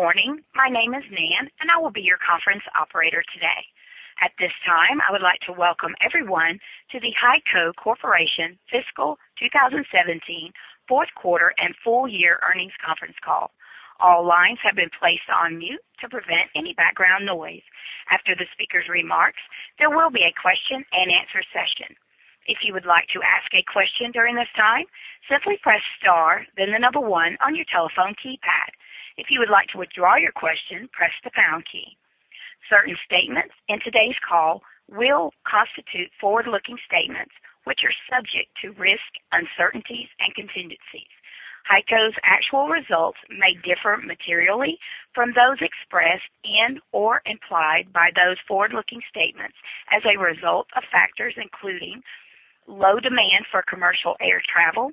Good morning. My name is Nan, and I will be your conference operator today. At this time, I would like to welcome everyone to the HEICO Corporation Fiscal 2017 Fourth Quarter and Full Year Earnings Conference Call. All lines have been placed on mute to prevent any background noise. After the speaker's remarks, there will be a question-and-answer session. If you would like to ask a question during this time, simply press star, then the number 1 on your telephone keypad. If you would like to withdraw your question, press the pound key. Certain statements in today's call will constitute forward-looking statements, which are subject to risks, uncertainties, and contingencies. HEICO's actual results may differ materially from those expressed and/or implied by those forward-looking statements as a result of factors including low demand for commercial air travel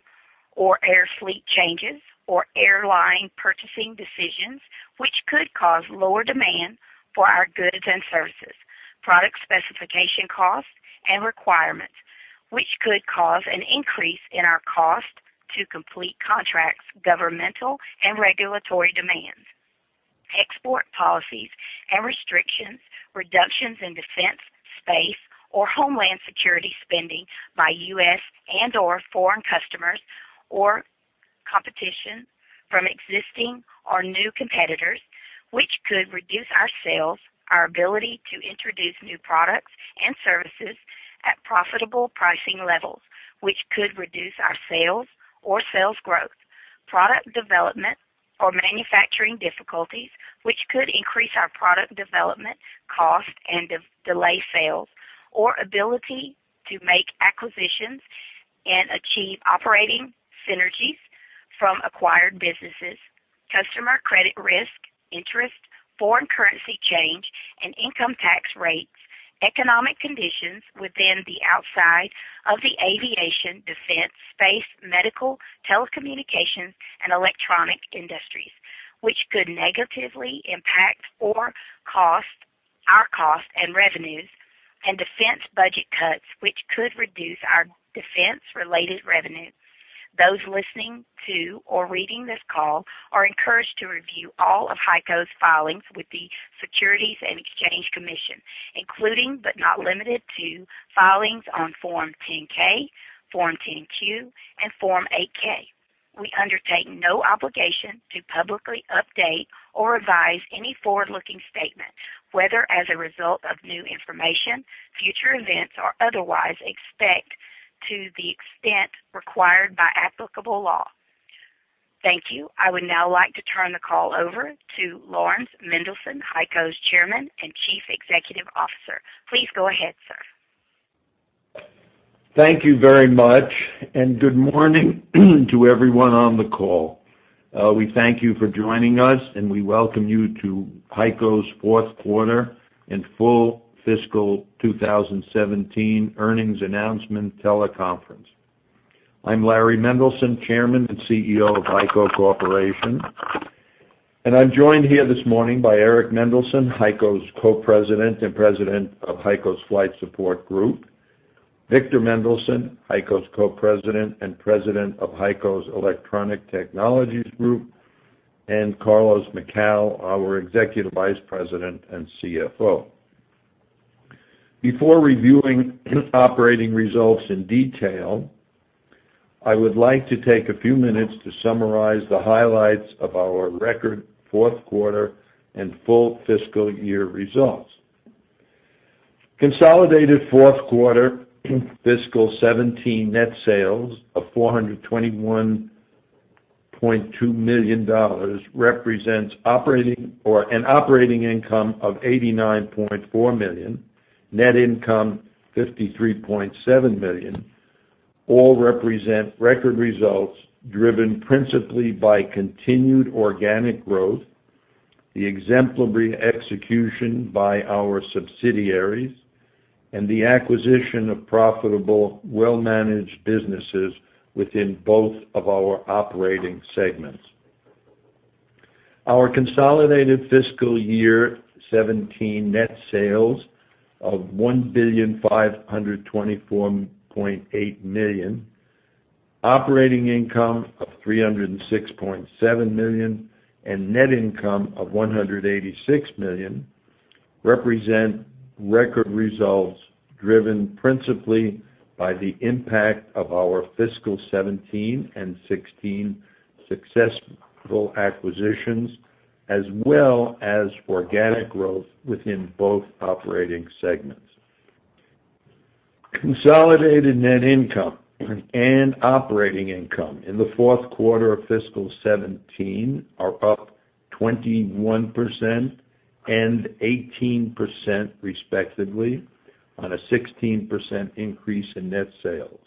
or air fleet changes or airline purchasing decisions, which could cause lower demand for our goods and services. Product specification costs and requirements, which could cause an increase in our cost to complete contracts, governmental and regulatory demands, export policies and restrictions, reductions in defense, space, or homeland security spending by U.S. and/or foreign customers, or competition from existing or new competitors, which could reduce our sales, our ability to introduce new products and services at profitable pricing levels, which could reduce our sales or sales growth. Product development or manufacturing difficulties, which could increase our product development costs and delay sales or ability to make acquisitions and achieve operating synergies from acquired businesses, customer credit risk, interest, foreign currency change, and income tax rates. Economic conditions within the outside of the aviation, defense, space, medical, telecommunications, and electronic industries, which could negatively impact our costs and revenues, and defense budget cuts, which could reduce our defense-related revenues. Those listening to or reading this call are encouraged to review all of HEICO's filings with the Securities and Exchange Commission, including but not limited to filings on Form 10-K, Form 10-Q, and Form 8-K. We undertake no obligation to publicly update or revise any forward-looking statement, whether as a result of new information, future events, or otherwise except to the extent required by applicable law. Thank you. I would now like to turn the call over to Lawrence Mendelson, HEICO's Chairman and Chief Executive Officer. Please go ahead, sir. Thank you very much. Good morning to everyone on the call. We thank you for joining us, and we welcome you to HEICO's fourth quarter and full FY 2017 earnings announcement teleconference. I'm Laurans Mendelson, Chairman and Chief Executive Officer of HEICO Corporation, and I'm joined here this morning by Eric Mendelson, HEICO's Co-President and President of HEICO's Flight Support Group, Victor Mendelson, HEICO's Co-President and President of HEICO's Electronic Technologies Group, and Carlos Macau, our Executive Vice President and CFO. Before reviewing operating results in detail, I would like to take a few minutes to summarize the highlights of our record fourth quarter and full fiscal year results. Consolidated fourth quarter FY 2017 net sales of $421.2 million represents an operating income of $89.4 million, net income $53.7 million, all represent record results driven principally by continued organic growth, the exemplary execution by our subsidiaries, and the acquisition of profitable, well-managed businesses within both of our operating segments. Our consolidated fiscal year FY 2017 net sales of $1,524.8 million, operating income of $306.7 million, and net income of $186 million represent record results driven principally by the impact of our FY 2017 and FY 2016 successful acquisitions, as well as organic growth within both operating segments. Consolidated net income and operating income in the fourth quarter of FY 2017 are up 21% and 18%, respectively, on a 16% increase in net sales.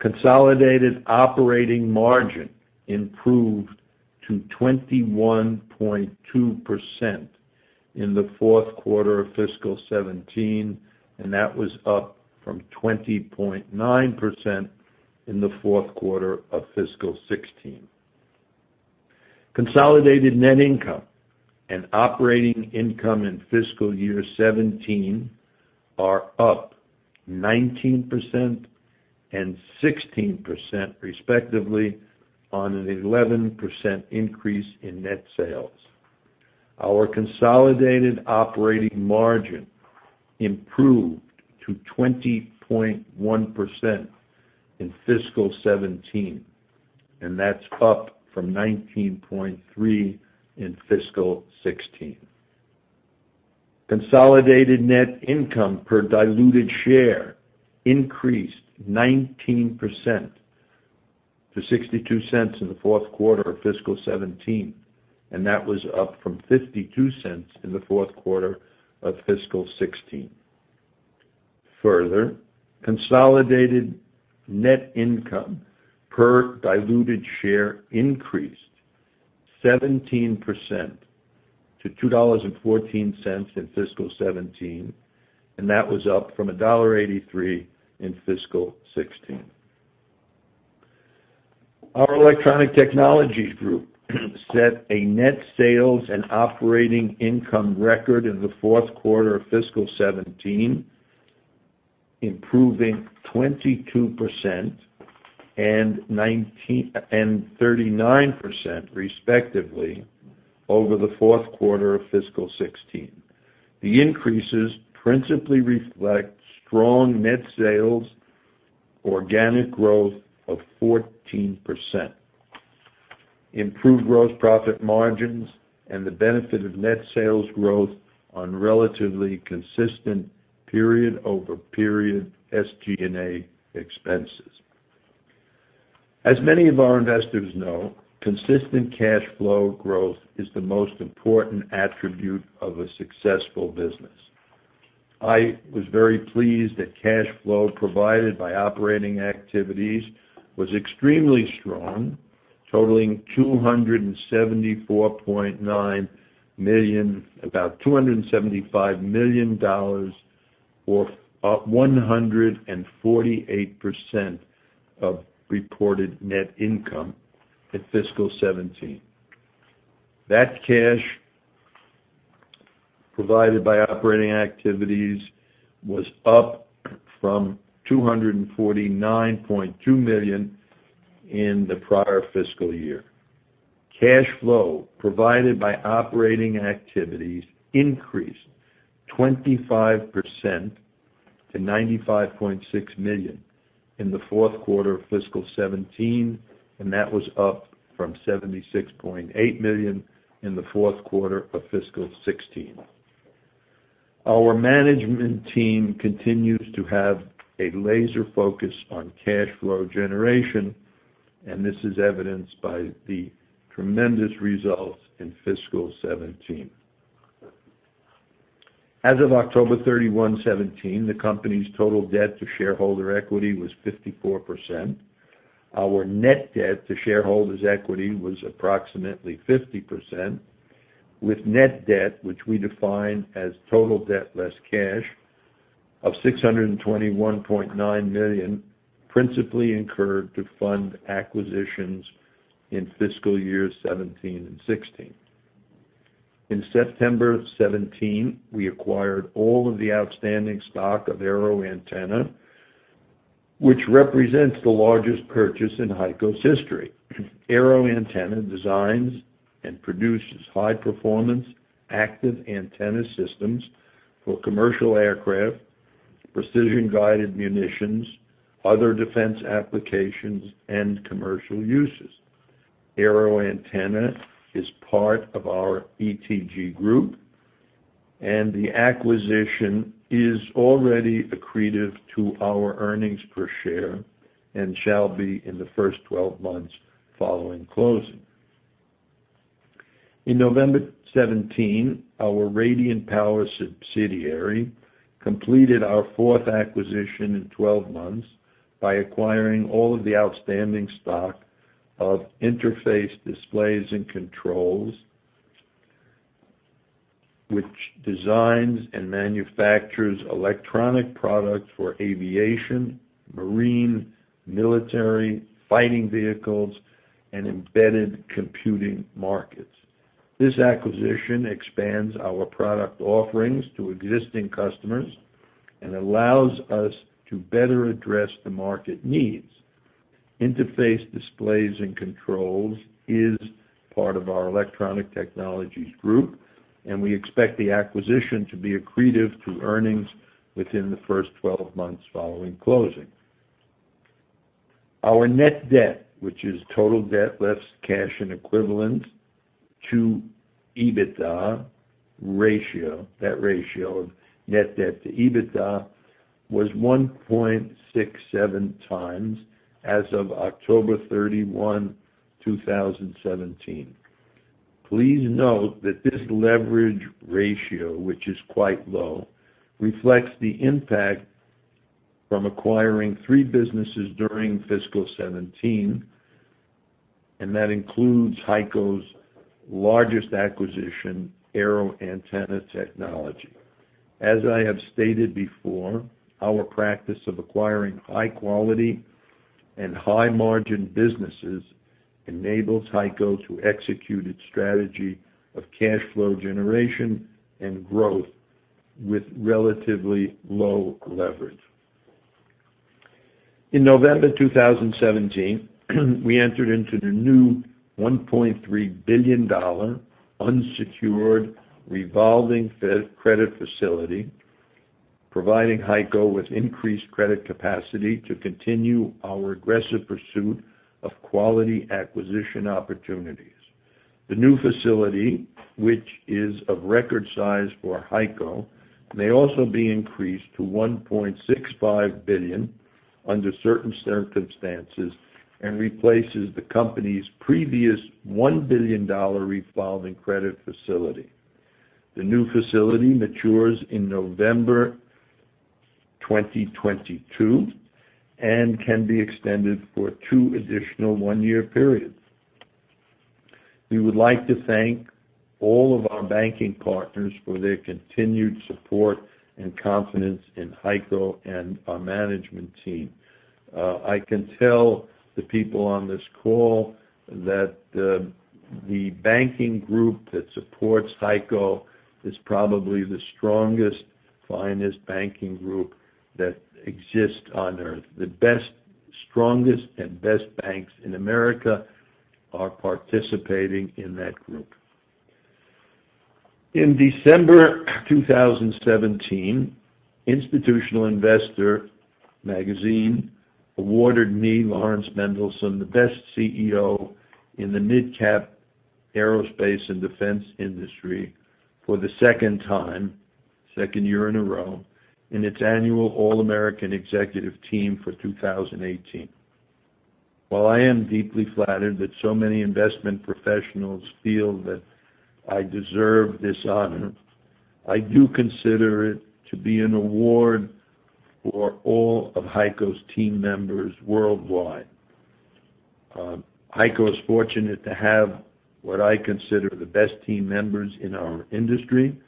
Consolidated operating margin improved to 21.2% in the fourth quarter of FY 2017, and that was up from 20.9% in the fourth quarter of FY 2016. Consolidated net income and operating income in FY 2017 are up 19% and 16%, respectively, on an 11% increase in net sales. Our consolidated operating margin improved to 20.1% in FY 2017, and that's up from 19.3% in FY 2016. Consolidated net income per diluted share increased 19% to $0.62 in the fourth quarter of FY 2017, and that was up from $0.52 in the fourth quarter of FY 2016. Further, consolidated net income per diluted share increased 17% to $2.14 in FY 2017, and that was up from $1.83 in FY 2016. Our Electronic Technologies Group set a net sales and operating income record in the fourth quarter of FY 2017, improving 22% and 39%, respectively, over the fourth quarter of FY 2016. The increases principally reflect strong net sales, organic growth of 14%, improved gross profit margins, and the benefit of net sales growth on relatively consistent period-over-period SG&A expenses. As many of our investors know, consistent cash flow growth is the most important attribute of a successful business. I was very pleased that cash flow provided by operating activities was extremely strong, totaling about $275 million, or 148% of reported net income in FY 2017. That cash provided by operating activities was up from $249.2 million in the prior fiscal year. Cash flow provided by operating activities increased 25% to $95.6 million in the fourth quarter of FY 2017, and that was up from $76.8 million in the fourth quarter of FY 2016. Our management team continues to have a laser focus on cash flow generation, and this is evidenced by the tremendous results in FY 2017. As of October 31, 2017, the company's total debt to shareholder equity was 54%. Our net debt to shareholders' equity was approximately 50%, with net debt, which we define as total debt less cash, of $621.9 million principally incurred to fund acquisitions in fiscal years 2017 and 2016. In September 2017, we acquired all of the outstanding stock of AeroAntenna, which represents the largest purchase in HEICO's history. AeroAntenna designs and produces high-performance active antenna systems for commercial aircraft, precision-guided munitions, other defense applications, and commercial uses. AeroAntenna is part of our ETG Group, and the acquisition is already accretive to our earnings per share and shall be in the first 12 months following closing. In November 2017, our Radiant Power subsidiary completed our fourth acquisition in 12 months by acquiring all of the outstanding stock of Interface Displays & Controls, which designs and manufactures electronic products for aviation, marine, military, fighting vehicles, and embedded computing markets. This acquisition expands our product offerings to existing customers and allows us to better address the market needs. Interface Displays & Controls is part of our Electronic Technologies Group, and we expect the acquisition to be accretive to earnings within the first 12 months following closing. Our net debt, which is total debt, less cash and equivalents to EBITDA ratio, that ratio of net debt to EBITDA, was 1.67 times as of October 31, 2017. Please note that this leverage ratio, which is quite low, reflects the impact from acquiring three businesses during fiscal 2017, and that includes HEICO's largest acquisition, AeroAntenna Technology. As I have stated before, our practice of acquiring high-quality and high-margin businesses enables HEICO to execute its strategy of cash flow generation and growth with relatively low leverage. In November 2017, we entered into the new $1.3 billion unsecured revolving credit facility, providing HEICO with increased credit capacity to continue our aggressive pursuit of quality acquisition opportunities. The new facility, which is of record size for HEICO, may also be increased to $1.65 billion under certain circumstances and replaces the company's previous $1 billion revolving credit facility. The new facility matures in November 2022 and can be extended for two additional one-year periods. We would like to thank all of our banking partners for their continued support and confidence in HEICO and our management team. I can tell the people on this call that the banking group that supports HEICO is probably the strongest, finest banking group that exists on Earth. The best, strongest, and best banks in America are participating in that group. In December 2017, Institutional Investor magazine awarded me, Laurans A. Mendelson, the best CEO in the mid-cap aerospace and defense industry for the second time, second year in a row, in its annual All-America executive team for 2018. While I am deeply flattered that so many investment professionals feel that I deserve this honor, I do consider it to be an award for all of HEICO's team members worldwide. HEICO is fortunate to have what I consider the best team members in our industry,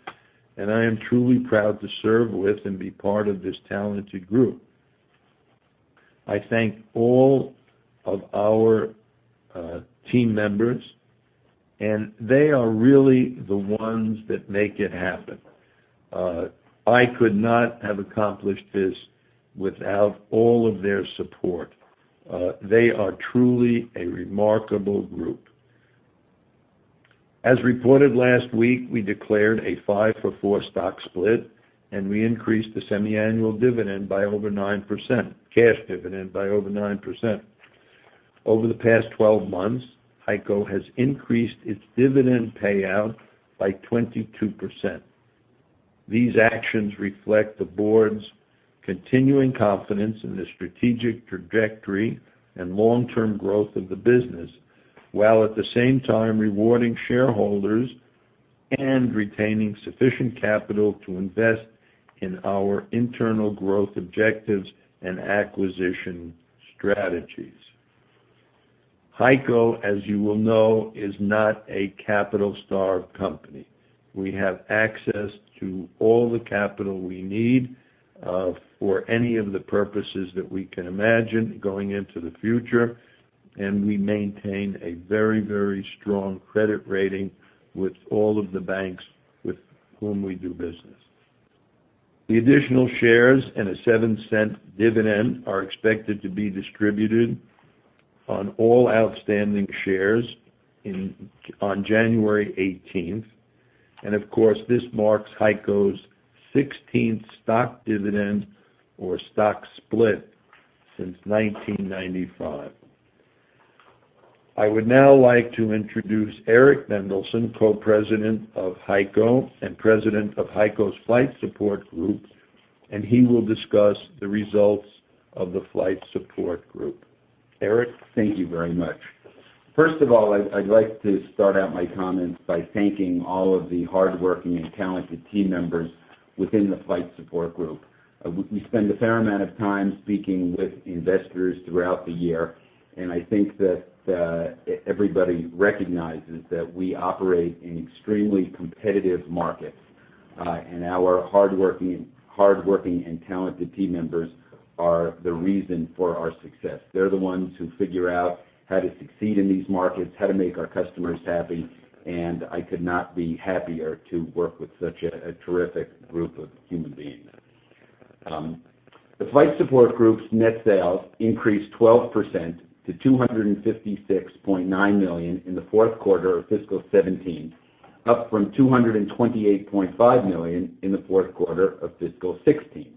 and I am truly proud to serve with and be part of this talented group. I thank all of our team members, and they are really the ones that make it happen. I could not have accomplished this without all of their support. They are truly a remarkable group. As reported last week, we declared a five-for-four stock split, and we increased the semiannual dividend by over 9%, cash dividend by over 9%. Over the past 12 months, HEICO has increased its dividend payout by 22%. These actions reflect the board's continuing confidence in the strategic trajectory and long-term growth of the business, while at the same time rewarding shareholders and retaining sufficient capital to invest in our internal growth objectives and acquisition strategies. HEICO, as you will know, is not a capital-starved company. We have access to all the capital we need for any of the purposes that we can imagine going into the future, and we maintain a very, very strong credit rating with all of the banks with whom we do business. The additional shares and a $0.07 dividend are expected to be distributed on all outstanding shares on January 18th. Of course, this marks HEICO's 16th stock dividend or stock split since 1995. I would now like to introduce Eric Mendelson, Co-President of HEICO and President of HEICO's Flight Support Group, and he will discuss the results of the Flight Support Group. Eric? Thank you very much. First of all, I'd like to start out my comments by thanking all of the hardworking and talented team members within the Flight Support Group. We spend a fair amount of time speaking with investors throughout the year, and I think that everybody recognizes that we operate in extremely competitive markets. Our hardworking and talented team members are the reason for our success. They're the ones who figure out how to succeed in these markets, how to make our customers happy, and I could not be happier to work with such a terrific group of human beings. The Flight Support Group's net sales increased 12% to $256.9 million in the fourth quarter of fiscal 2017, up from $228.5 million in the fourth quarter of fiscal 2016.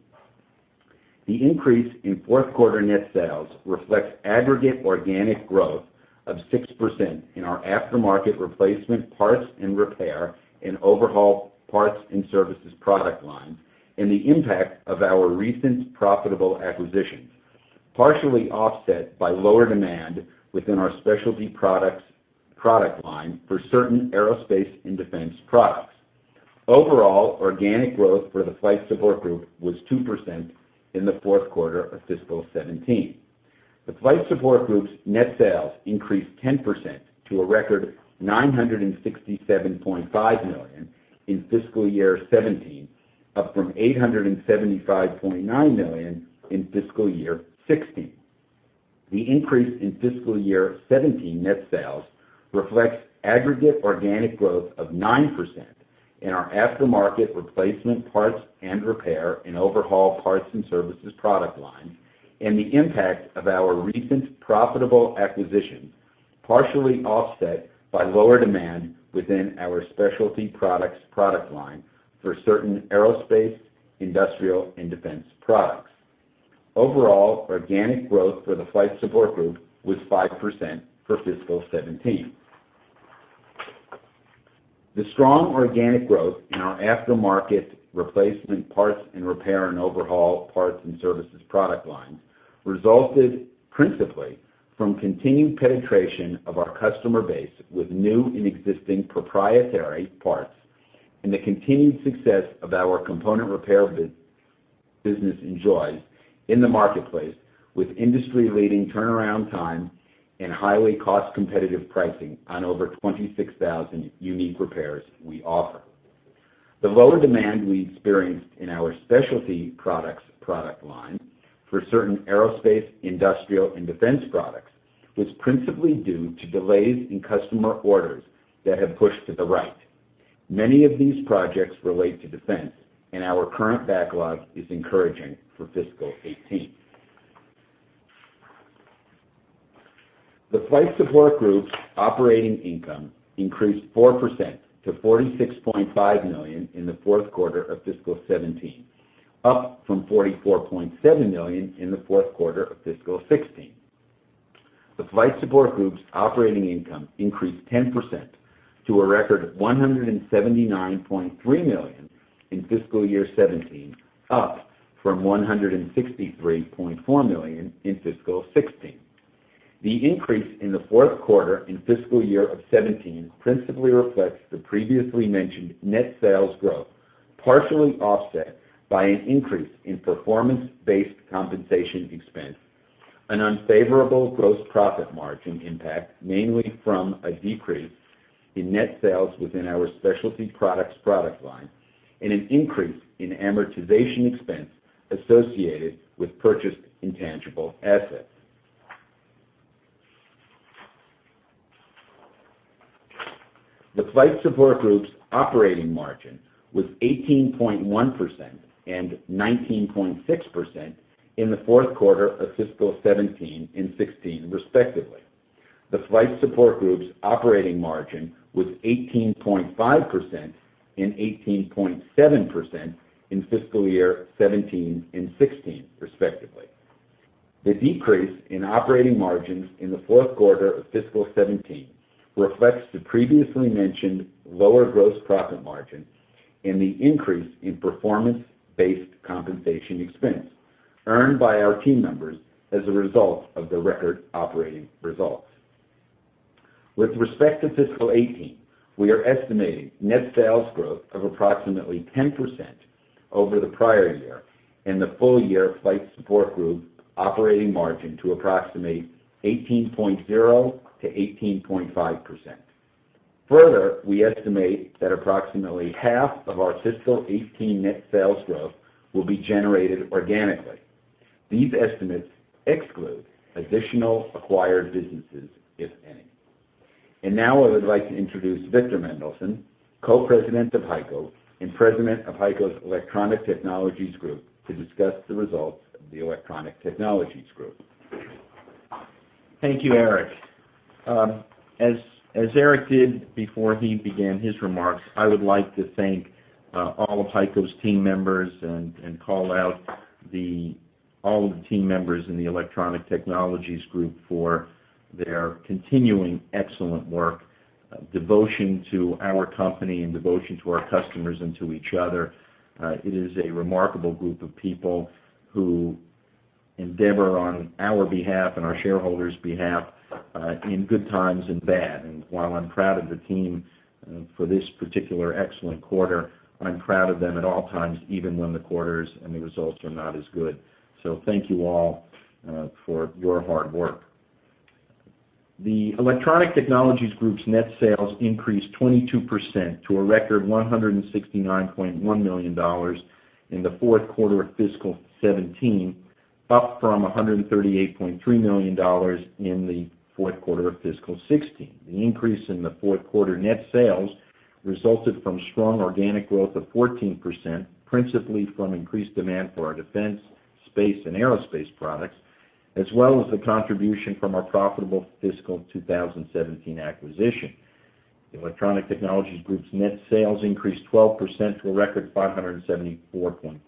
The increase in fourth quarter net sales reflects aggregate organic growth of 6% in our aftermarket replacement parts and repair and overhaul parts and services product lines, and the impact of our recent profitable acquisitions, partially offset by lower demand within our specialty products line for certain aerospace and defense products. Overall, organic growth for the Flight Support Group was 2% in the fourth quarter of fiscal 2017. The Flight Support Group's net sales increased 10% to a record $967.5 million in fiscal year 2017, up from $875.9 million in fiscal year 2016. The increase in fiscal year 2017 net sales reflects aggregate organic growth of 9% in our aftermarket replacement parts and repair and overhaul parts and services product line, and the impact of our recent profitable acquisition, partially offset by lower demand within our specialty products product line for certain aerospace, industrial, and defense products. Overall, organic growth for the Flight Support Group was 5% for fiscal 2017. The strong organic growth in our aftermarket replacement parts and repair and overhaul parts and services product lines resulted principally from continued penetration of our customer base with new and existing proprietary parts, and the continued success of our component repair business enjoys in the marketplace, with industry-leading turnaround time and highly cost-competitive pricing on over 26,000 unique repairs we offer. The lower demand we experienced in our specialty products product line for certain aerospace, industrial, and defense products was principally due to delays in customer orders that have pushed to the right. Our current backlog is encouraging for fiscal 2018. The Flight Support Group's operating income increased 4% to $46.5 million in the fourth quarter of fiscal 2017, up from $44.7 million in the fourth quarter of fiscal 2016. The Flight Support Group's operating income increased 10% to a record of $179.3 million in fiscal year 2017, up from $163.4 million in fiscal 2016. The increase in the fourth quarter and fiscal year of 2017 principally reflects the previously mentioned net sales growth, partially offset by an increase in performance-based compensation expense, an unfavorable gross profit margin impact, mainly from a decrease in net sales within our specialty products product line. An increase in amortization expense associated with purchased intangible assets. The Flight Support Group's operating margin was 18.1% and 19.6% in the fourth quarter of fiscal 2017 and 2016, respectively. The Flight Support Group's operating margin was 18.5% and 18.7% in fiscal year 2017 and 2016, respectively. The decrease in operating margins in the fourth quarter of fiscal 2017 reflects the previously mentioned lower gross profit margin and the increase in performance-based compensation expense earned by our team members as a result of the record operating results. With respect to fiscal 2018, we are estimating net sales growth of approximately 10% over the prior year and the full year Flight Support Group operating margin to approximate 18.0%-18.5%. Further, we estimate that approximately half of our fiscal 2018 net sales growth will be generated organically. These estimates exclude additional acquired businesses, if any. Now I would like to introduce Victor Mendelson, Co-President of HEICO and President of HEICO's Electronic Technologies Group, to discuss the results of the Electronic Technologies Group. Thank you, Eric. As Eric did before he began his remarks, I would like to thank all of HEICO's team members and call out all of the team members in the Electronic Technologies Group for their continuing excellent work, devotion to our company, and devotion to our customers and to each other. It is a remarkable group of people who endeavor on our behalf and our shareholders' behalf in good times and bad. While I'm proud of the team for this particular excellent quarter, I'm proud of them at all times, even when the quarters and the results are not as good. Thank you all for your hard work. The Electronic Technologies Group's net sales increased 22% to a record $169.1 million in the fourth quarter of fiscal 2017, up from $138.3 million in the fourth quarter of fiscal 2016. The increase in the fourth quarter net sales resulted from strong organic growth of 14%, principally from increased demand for our defense, space, and aerospace products, as well as the contribution from our profitable fiscal 2017 acquisition. The Electronic Technologies Group's net sales increased 12% to a record $574.3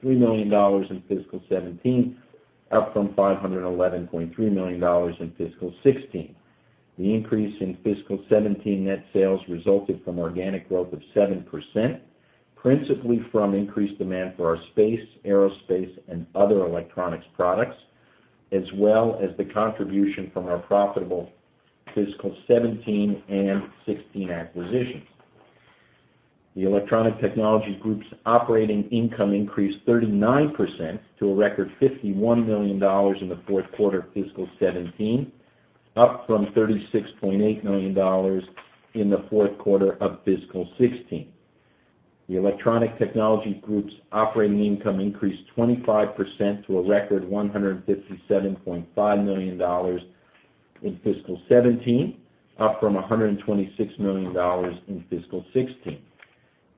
million in fiscal 2017, up from $511.3 million in fiscal 2016. The increase in fiscal 2017 net sales resulted from organic growth of 7%, principally from increased demand for our space, aerospace, and other electronics products, as well as the contribution from our profitable fiscal 2017 and 2016 acquisitions. The Electronic Technologies Group's operating income increased 39% to a record $51 million in the fourth quarter of fiscal 2017, up from $36.8 million in the fourth quarter of fiscal 2016. The Electronic Technologies Group's operating income increased 25% to a record $157.5 million in fiscal 2017, up from $126 million in fiscal 2016.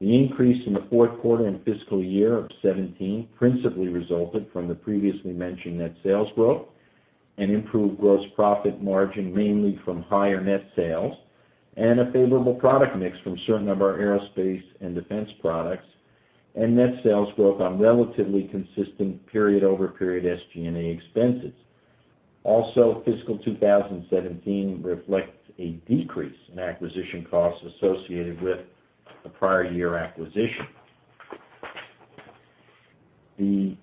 The increase in the fourth quarter and fiscal year of 2017 principally resulted from the previously mentioned net sales growth and improved gross profit margin, mainly from higher net sales, and a favorable product mix from certain of our aerospace and defense products, and net sales growth on relatively consistent period-over-period SG&A expenses. Also, fiscal 2017 reflects a decrease in acquisition costs associated with the prior year acquisition. The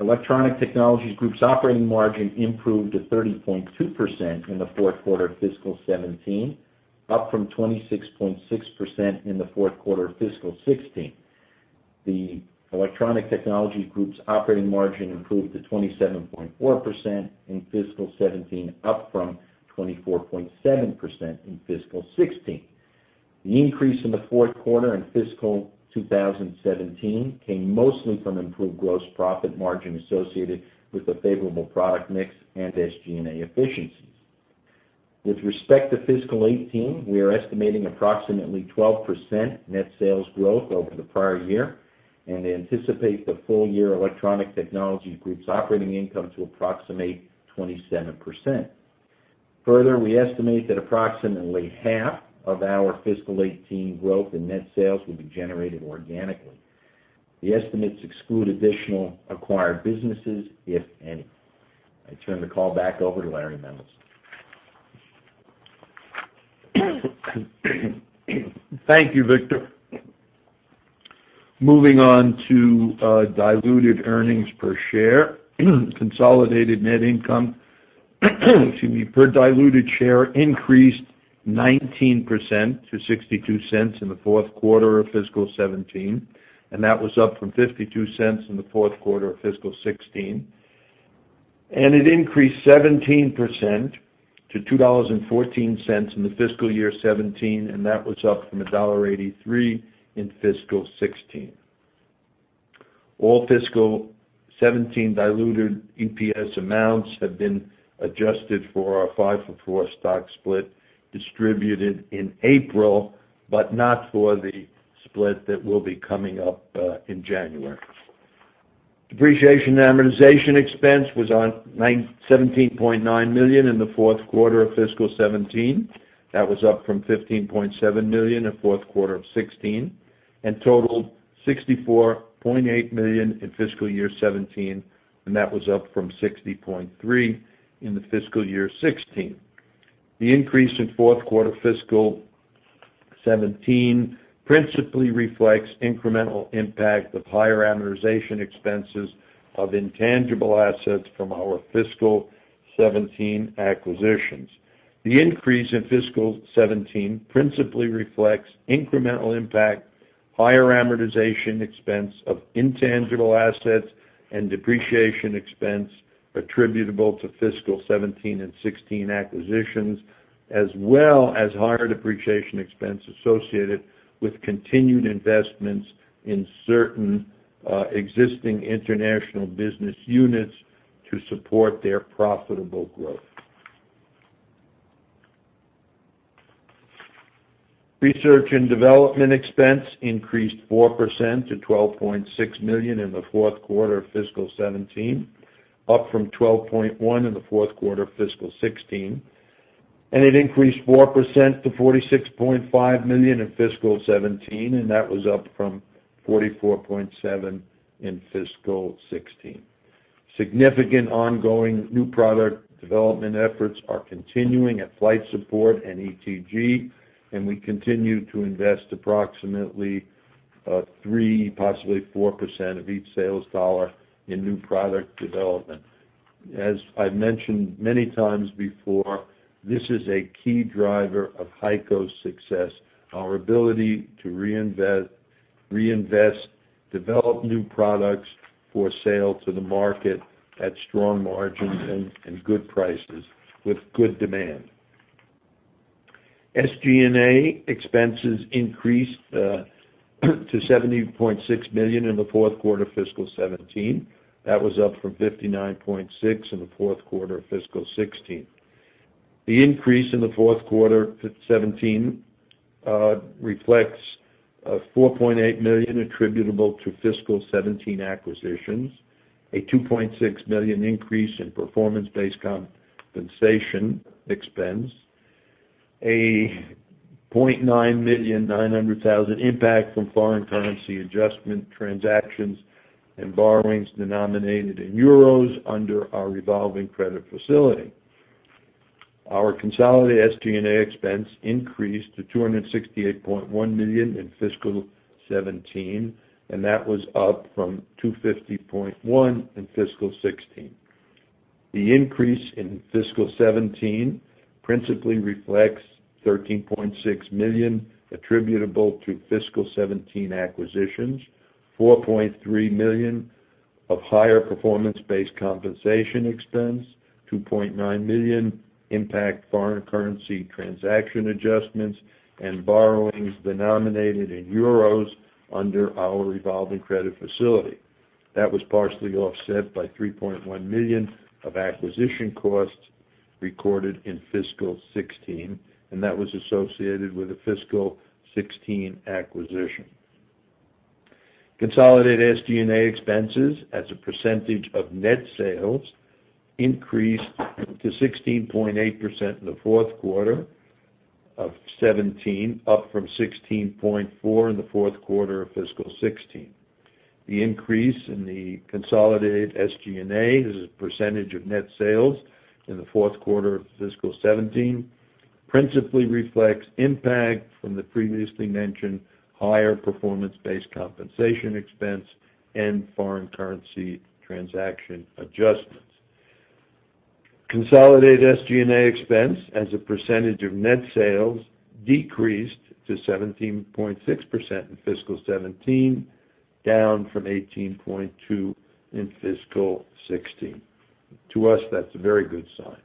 Electronic Technologies Group's operating margin improved to 30.2% in the fourth quarter of fiscal 2017, up from 26.6% in the fourth quarter of fiscal 2016. The Electronic Technologies Group's operating margin improved to 27.4% in fiscal 2017, up from 24.7% in fiscal 2016. The increase in the fourth quarter in fiscal 2017 came mostly from improved gross profit margin associated with the favorable product mix and SG&A efficiencies. With respect to fiscal 2018, we are estimating approximately 12% net sales growth over the prior year and anticipate the full year Electronic Technologies Group's operating income to approximate 27%. Further, we estimate that approximately half of our fiscal 2018 growth in net sales will be generated organically. The estimates exclude additional acquired businesses, if any. I turn the call back over to Larry Mendelson. Thank you, Victor. Moving on to diluted earnings per share. Consolidated net income per diluted share increased 19% to $0.62 in the fourth quarter of fiscal 2017, and that was up from $0.52 in the fourth quarter of fiscal 2016. It increased 17% to $2.14 in the fiscal year 2017, and that was up from $1.83 in fiscal 2016. All fiscal 2017 diluted EPS amounts have been adjusted for our five-for-four stock split distributed in April, but not for the split that will be coming up in January. Depreciation and amortization expense was on $17.9 million in the fourth quarter of fiscal 2017. That was up from $15.7 million in fourth quarter of 2016, and totaled $64.8 million in fiscal year 2017, and that was up from $60.3 million in the fiscal year 2016. The increase in fourth quarter fiscal 2017 principally reflects incremental impact of higher amortization expenses of intangible assets from our fiscal 2017 acquisitions. The increase in fiscal 2017 principally reflects incremental impact, higher amortization expense of intangible assets, and depreciation expense attributable to fiscal 2017 and 2016 acquisitions, as well as higher depreciation expense associated with continued investments in certain existing international business units to support their profitable growth. Research and development expense increased 4% to $12.6 million in the fourth quarter of fiscal 2017, up from $12.1 million in the fourth quarter of fiscal 2016. It increased 4% to $46.5 million in fiscal 2017, and that was up from $44.7 million in fiscal 2016. Significant ongoing new product development efforts are continuing at Flight Support and ETG, and we continue to invest approximately 3%, possibly 4% of each sales dollar in new product development. As I've mentioned many times before, this is a key driver of HEICO's success, our ability to reinvest, develop new products for sale to the market at strong margins and good prices with good demand. SG&A expenses increased to $70.6 million in the fourth quarter of fiscal 2017. That was up from $59.6 million in the fourth quarter of fiscal 2016. The increase in the fourth quarter 2017 reflects a $4.8 million attributable to fiscal 2017 acquisitions, a $2.6 million increase in performance-based compensation expense, a $0.9 million, $900,000 impact from foreign currency adjustment transactions and borrowings denominated in euros under our revolving credit facility. Our consolidated SG&A expense increased to $268.1 million in fiscal 2017, and that was up from $250.1 million in fiscal 2016. The increase in fiscal 2017 principally reflects $13.6 million attributable to fiscal 2017 acquisitions, $4.3 million of higher performance-based compensation expense, $2.9 million impact foreign currency transaction adjustments and borrowings denominated in euros under our revolving credit facility. That was partially offset by $3.1 million of acquisition costs recorded in fiscal 2016, and that was associated with the fiscal 2016 acquisition. Consolidated SG&A expenses as a percentage of net sales increased to 16.8% in the fourth quarter of 2017, up from 16.4% in the fourth quarter of fiscal 2016. The increase in the consolidated SG&A as a percentage of net sales in the fourth quarter of fiscal 2017 principally reflects impact from the previously mentioned higher performance-based compensation expense and foreign currency transaction adjustments. Consolidated SG&A expense as a percentage of net sales decreased to 17.6% in fiscal 2017, down from 18.2% in fiscal 2016. To us, that's a very good sign.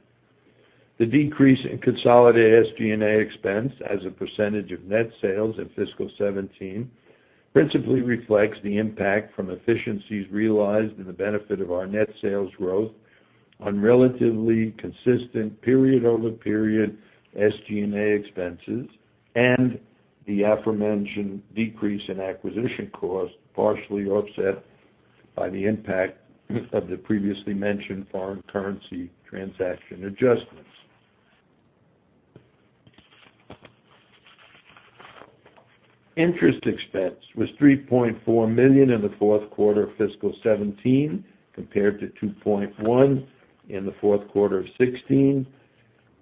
The decrease in consolidated SG&A expense as a percentage of net sales in fiscal 2017 principally reflects the impact from efficiencies realized in the benefit of our net sales growth on relatively consistent period-over-period SG&A expenses and the aforementioned decrease in acquisition costs, partially offset by the impact of the previously mentioned foreign currency transaction adjustments. Interest expense was $3.4 million in the fourth quarter of fiscal 2017, compared to $2.1 million in the fourth quarter of 2016,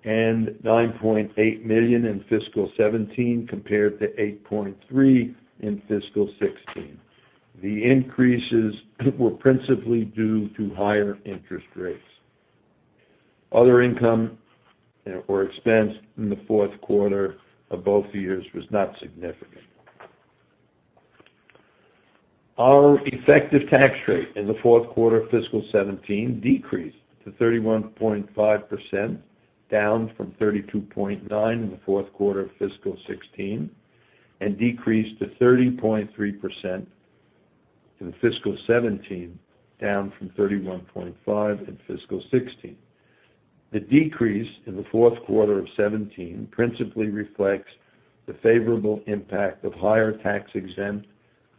and $9.8 million in fiscal 2017 compared to $8.3 million in fiscal 2016. The increases were principally due to higher interest rates. Other income or expense in the fourth quarter of both years was not significant. Our effective tax rate in the fourth quarter of fiscal 2017 decreased to 31.5%, down from 32.9% in the fourth quarter of fiscal 2016, decreased to 30.3% in fiscal 2017, down from 31.5% in fiscal 2016. The decrease in the fourth quarter of 2017 principally reflects the favorable impact of higher tax-exempt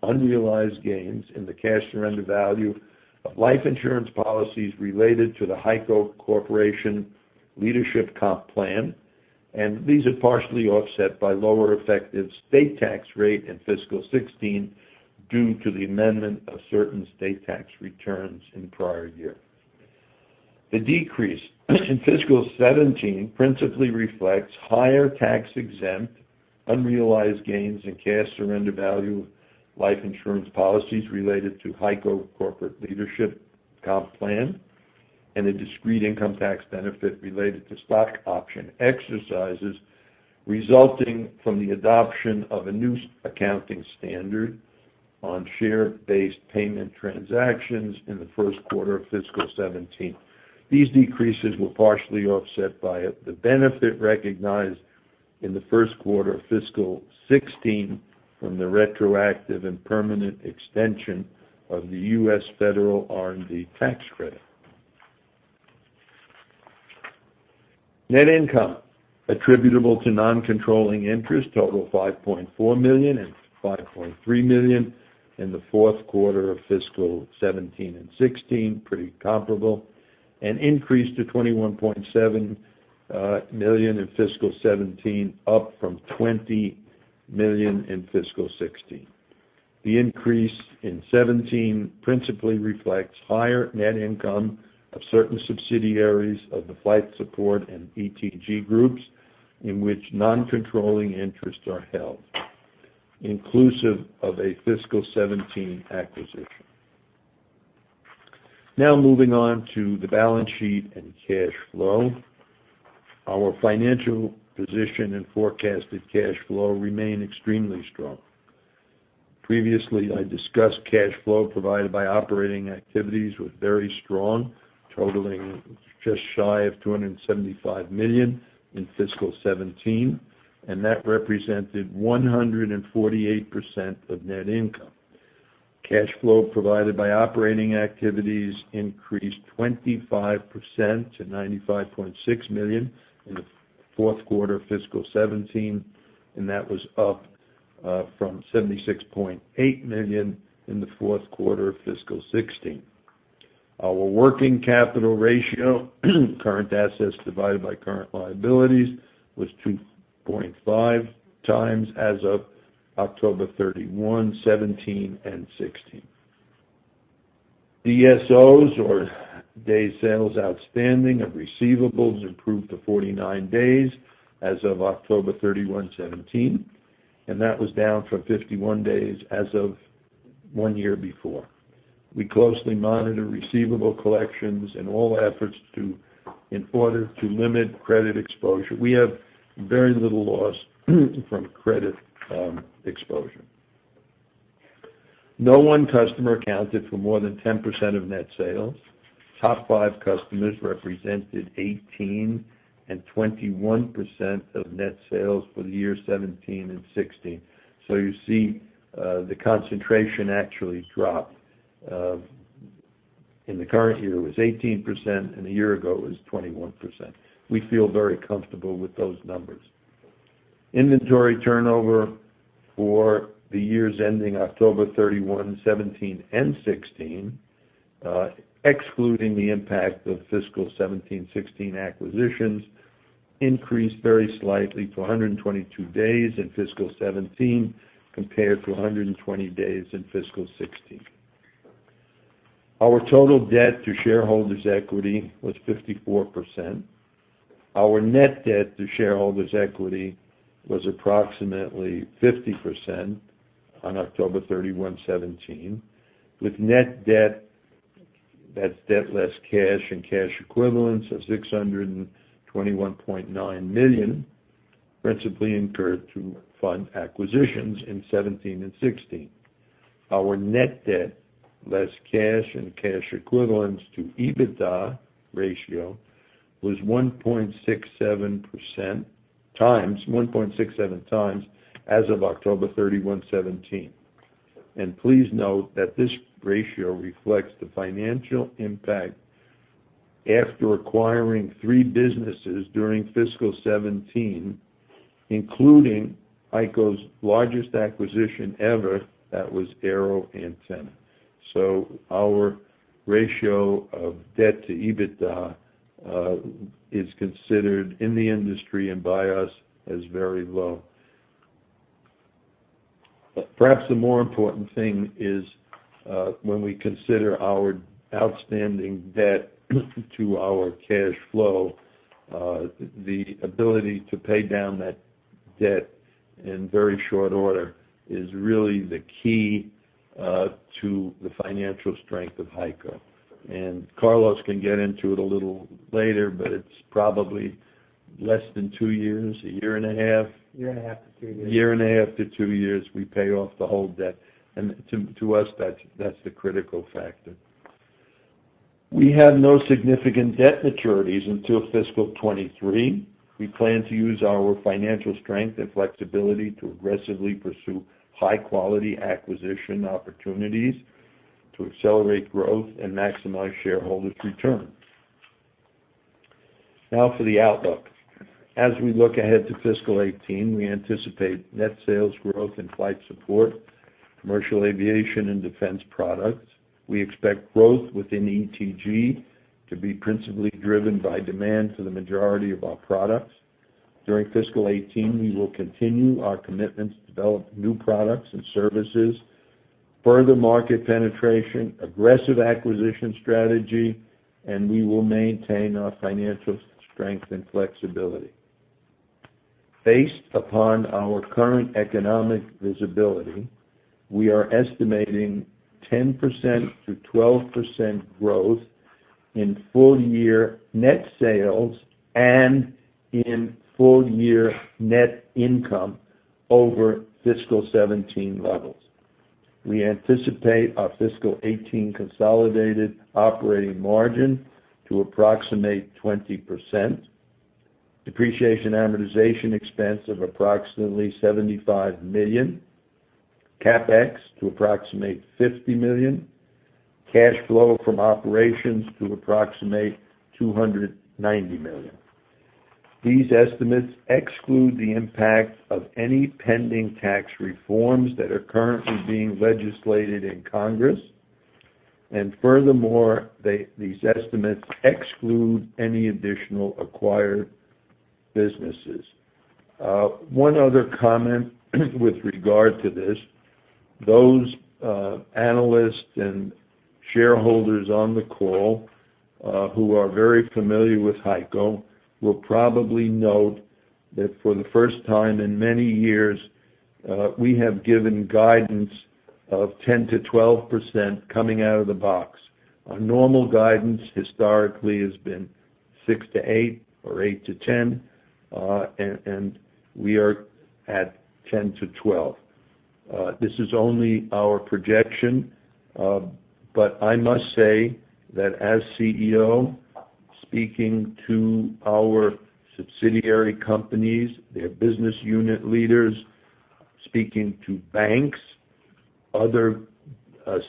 unrealized gains in the cash surrender value of life insurance policies related to the HEICO Corporation Leadership Comp Plan. These are partially offset by lower effective state tax rate in fiscal 2016 due to the amendment of certain state tax returns in prior years. The decrease in fiscal 2017 principally reflects higher tax-exempt unrealized gains in cash surrender value life insurance policies related to HEICO Corporation Leadership Comp Plan and a discrete income tax benefit related to stock option exercises resulting from the adoption of a new accounting standard on share-based payment transactions in the first quarter of fiscal 2017. These decreases were partially offset by the benefit recognized in the first quarter of fiscal 2016 from the retroactive and permanent extension of the US Federal R&D tax credit. Net income attributable to non-controlling interests total $5.4 million and $5.3 million in the fourth quarter of fiscal 2017 and 2016, pretty comparable. Increased to $21.7 million in fiscal 2017, up from $20 million in fiscal 2016. The increase in 2017 principally reflects higher net income of certain subsidiaries of the Flight Support and ETG groups in which non-controlling interests are held, inclusive of a fiscal 2017 acquisition. Moving on to the balance sheet and cash flow. Our financial position and forecasted cash flow remain extremely strong. Previously, I discussed cash flow provided by operating activities was very strong, totaling just shy of $275 million in fiscal 2017, and that represented 148% of net income. Cash flow provided by operating activities increased 25% to $95.6 million in the fourth quarter of fiscal 2017, and that was up from $76.8 million in the fourth quarter of fiscal 2016. Our working capital ratio, current assets divided by current liabilities, was 2.5 times as of October 31, 2017 and 2016. DSOs or Days Sales Outstanding of receivables improved to 49 days as of October 31, 2017, and that was down from 51 days as of one year before. We closely monitor receivable collections and all efforts to limit credit exposure, we have very little loss from credit exposure. No one customer accounted for more than 10% of net sales. Top five customers represented 18% and 21% of net sales for the year 2017 and 2016. You see the concentration actually dropped. In the current year, it was 18%, and a year ago, it was 21%. We feel very comfortable with those numbers. Inventory turnover for the years ending October 31, 2017 and 2016, excluding the impact of fiscal 2017 and 2016 acquisitions, increased very slightly to 122 days in fiscal 2017, compared to 120 days in fiscal 2016. Our total debt to shareholders' equity was 54%. Our net debt to shareholders' equity was approximately 50% on October 31, 2017, with net debt, that's debt less cash and cash equivalents, of $621.9 million, principally incurred to fund acquisitions in 2017 and 2016. Our net debt, less cash and cash equivalents to EBITDA ratio, was 1.67 times as of October 31, 2017. Please note that this ratio reflects the financial impact after acquiring three businesses during fiscal 2017, including HEICO's largest acquisition ever, that was AeroAntenna. Our ratio of debt to EBITDA is considered in the industry and by us as very low. Perhaps the more important thing is, when we consider our outstanding debt to our cash flow, the ability to pay down that debt in very short order is really the key to the financial strength of HEICO. Carlos can get into it a little later, but it's probably less than two years, a year and a half? Year and a half to two years. Year and a half to two years, we pay off the whole debt. To us, that's the critical factor. We have no significant debt maturities until fiscal 2023. We plan to use our financial strength and flexibility to aggressively pursue high-quality acquisition opportunities to accelerate growth and maximize shareholders' return. Now for the outlook. As we look ahead to fiscal 2018, we anticipate net sales growth in Flight Support, commercial aviation, and defense products. We expect growth within ETG to be principally driven by demand for the majority of our products. During fiscal 2018, we will continue our commitment to develop new products and services, further market penetration, aggressive acquisition strategy, and we will maintain our financial strength and flexibility. Based upon our current economic visibility, we are estimating 10%-12% growth in full-year net sales and in full-year net income over fiscal 2017 levels. We anticipate our fiscal 2018 consolidated operating margin to approximate 20%, depreciation and amortization expense of approximately $75 million, CapEx to approximate $50 million, cash flow from operations to approximate $290 million. These estimates exclude the impact of any pending tax reforms that are currently being legislated in Congress. Furthermore, these estimates exclude any additional acquired businesses. One other comment with regard to this, those analysts and shareholders on the call who are very familiar with HEICO will probably note that for the first time in many years, we have given guidance of 10%-12% coming out of the box. Our normal guidance historically has been 6%-8% or 8%-10%, and we are at 10%-12%. This is only our projection, but I must say that as CEO, speaking to our subsidiary companies, their business unit leaders, speaking to banks, other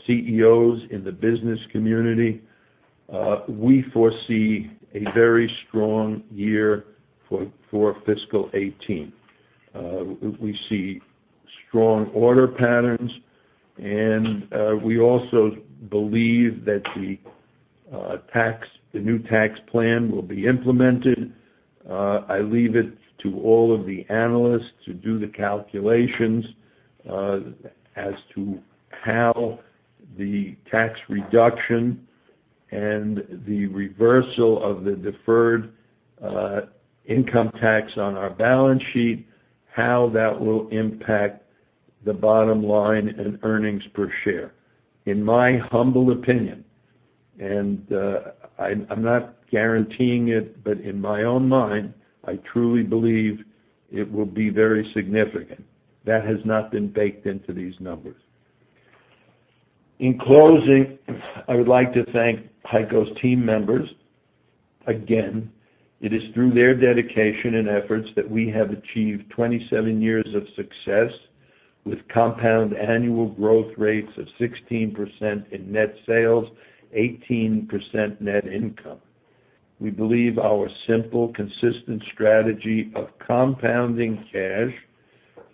CEOs in the business community, we foresee a very strong year for fiscal 2018. We see strong order patterns, and we also believe that the new tax plan will be implemented. I leave it to all of the analysts who do the calculations as to how the tax reduction and the reversal of the deferred income tax on our balance sheet, how that will impact the bottom line in earnings per share. In my humble opinion, and I'm not guaranteeing it, but in my own mind, I truly believe it will be very significant. That has not been baked into these numbers. In closing, I would like to thank HEICO's team members again. It is through their dedication and efforts that we have achieved 27 years of success with compound annual growth rates of 16% in net sales, 18% net income. We believe our simple, consistent strategy of compounding cash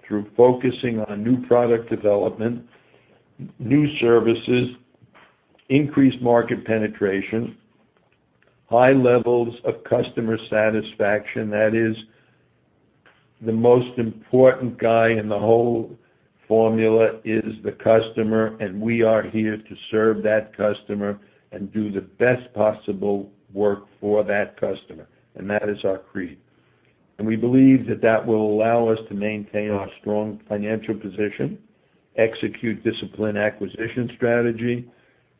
through focusing on new product development, new services, increased market penetration, high levels of customer satisfaction, that is the most important guy in the whole formula, is the customer, and we are here to serve that customer and do the best possible work for that customer, and that is our creed. We believe that that will allow us to maintain our strong financial position, execute discipline acquisition strategy,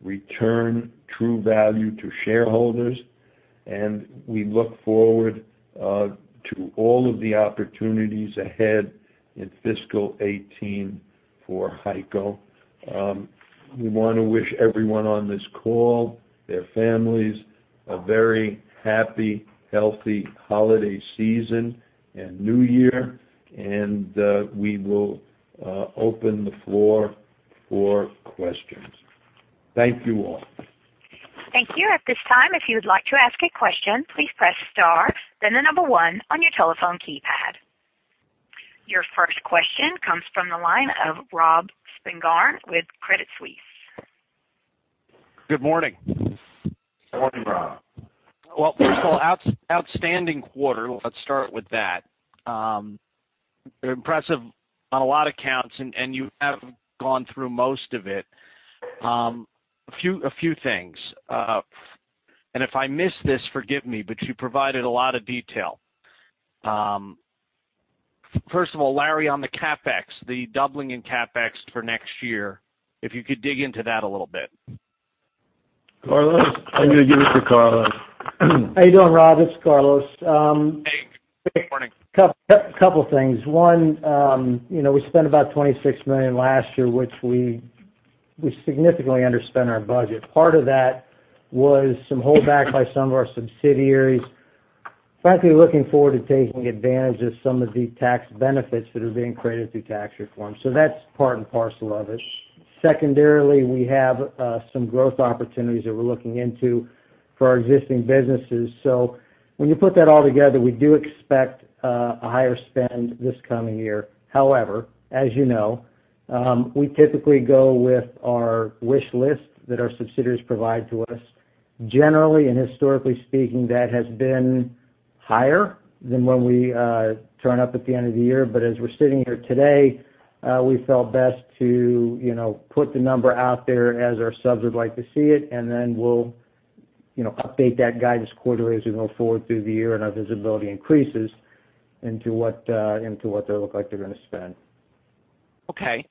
return true value to shareholders, and we look forward to all of the opportunities ahead in fiscal 2018 for HEICO. We want to wish everyone on this call, their families, a very happy, healthy holiday season and new year. We will open the floor for questions. Thank you all. Thank you. At this time, if you would like to ask a question, please press star, then the number 1 on your telephone keypad. Your first question comes from the line of Robert Spingarn with Credit Suisse. Good morning. Good morning, Rob. Well, first of all, outstanding quarter. Let's start with that. Impressive on a lot of counts, you have gone through most of it. A few things. If I miss this, forgive me, but you provided a lot of detail. First of all, Larry, on the CapEx, the doubling in CapEx for next year, if you could dig into that a little bit. Carlos? I'm going to give it to Carlos. How you doing, Rob? It's Carlos. Hey. Good morning. A couple things. One, we spent about $26 million last year, which we significantly underspent our budget. Part of that was some holdback by some of our subsidiaries. Frankly, looking forward to taking advantage of some of the tax benefits that are being created through tax reform. That's part and parcel of it. Secondarily, we have some growth opportunities that we're looking into for our existing businesses. When you put that all together, we do expect a higher spend this coming year. However, as you know, we typically go with our wish list that our subsidiaries provide to us. Generally and historically speaking, that has been higher than when we turn up at the end of the year. As we're sitting here today, we felt best to put the number out there as our subs would like to see it, and then we'll update that guidance quarterly as we go forward through the year and our visibility increases into what they look like they're going to spend. Okay.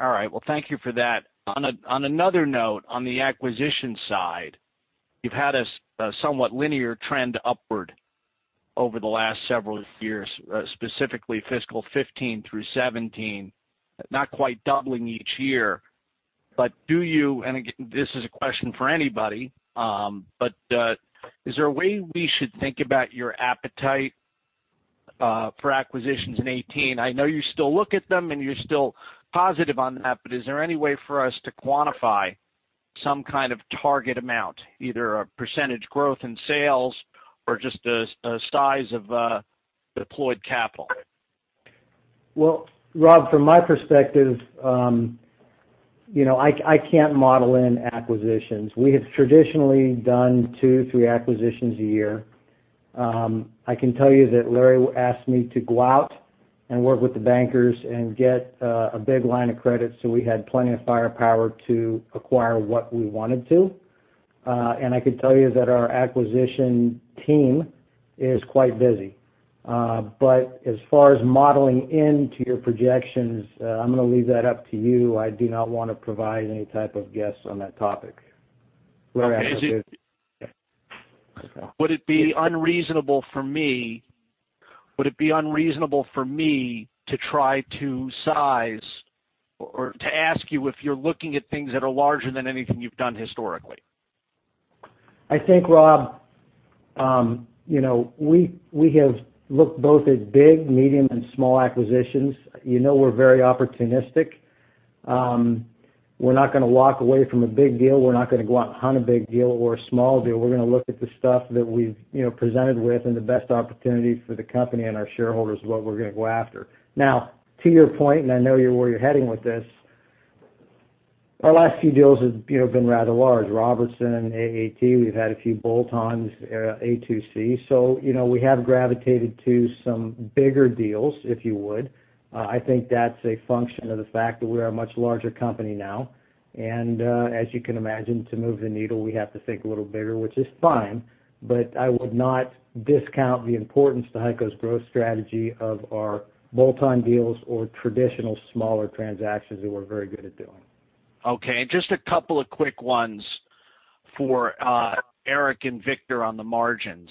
All right. Well, thank you for that. On another note, on the acquisition side, you've had a somewhat linear trend upward over the last several years, specifically fiscal 2015 through 2017, not quite doubling each year. Do you, and again, this is a question for anybody, is there a way we should think about your appetite for acquisitions in 2018? I know you still look at them, and you're still positive on that, is there any way for us to quantify some kind of target amount, either a percentage growth in sales or just a size of deployed capital? Well, Rob, from my perspective, I can't model in acquisitions. We have traditionally done two, three acquisitions a year. I can tell you that Larry asked me to go out and work with the bankers and get a big line of credit so we had plenty of firepower to acquire what we wanted to. I could tell you that our acquisition team is quite busy. As far as modeling into your projections, I'm going to leave that up to you. I do not want to provide any type of guess on that topic. Larry. Would it be unreasonable for me to try to size or to ask you if you're looking at things that are larger than anything you've done historically? I think, Rob, we have looked both at big, medium, and small acquisitions. You know we're very opportunistic. We're not going to walk away from a big deal. We're not going to go out and hunt a big deal or a small deal. We're going to look at the stuff that we've presented with and the best opportunity for the company and our shareholders is what we're going to go after. Now, to your point, and I know where you're heading with this, our last few deals have been rather large. Robertson and AAT, we've had a few bolt-ons, Air Cost Control. We have gravitated to some bigger deals, if you would. I think that's a function of the fact that we're a much larger company now, and as you can imagine, to move the needle, we have to think a little bigger, which is fine. I would not discount the importance to HEICO's growth strategy of our bolt-on deals or traditional smaller transactions that we're very good at doing. Okay. Just a couple of quick ones For Eric and Victor on the margins.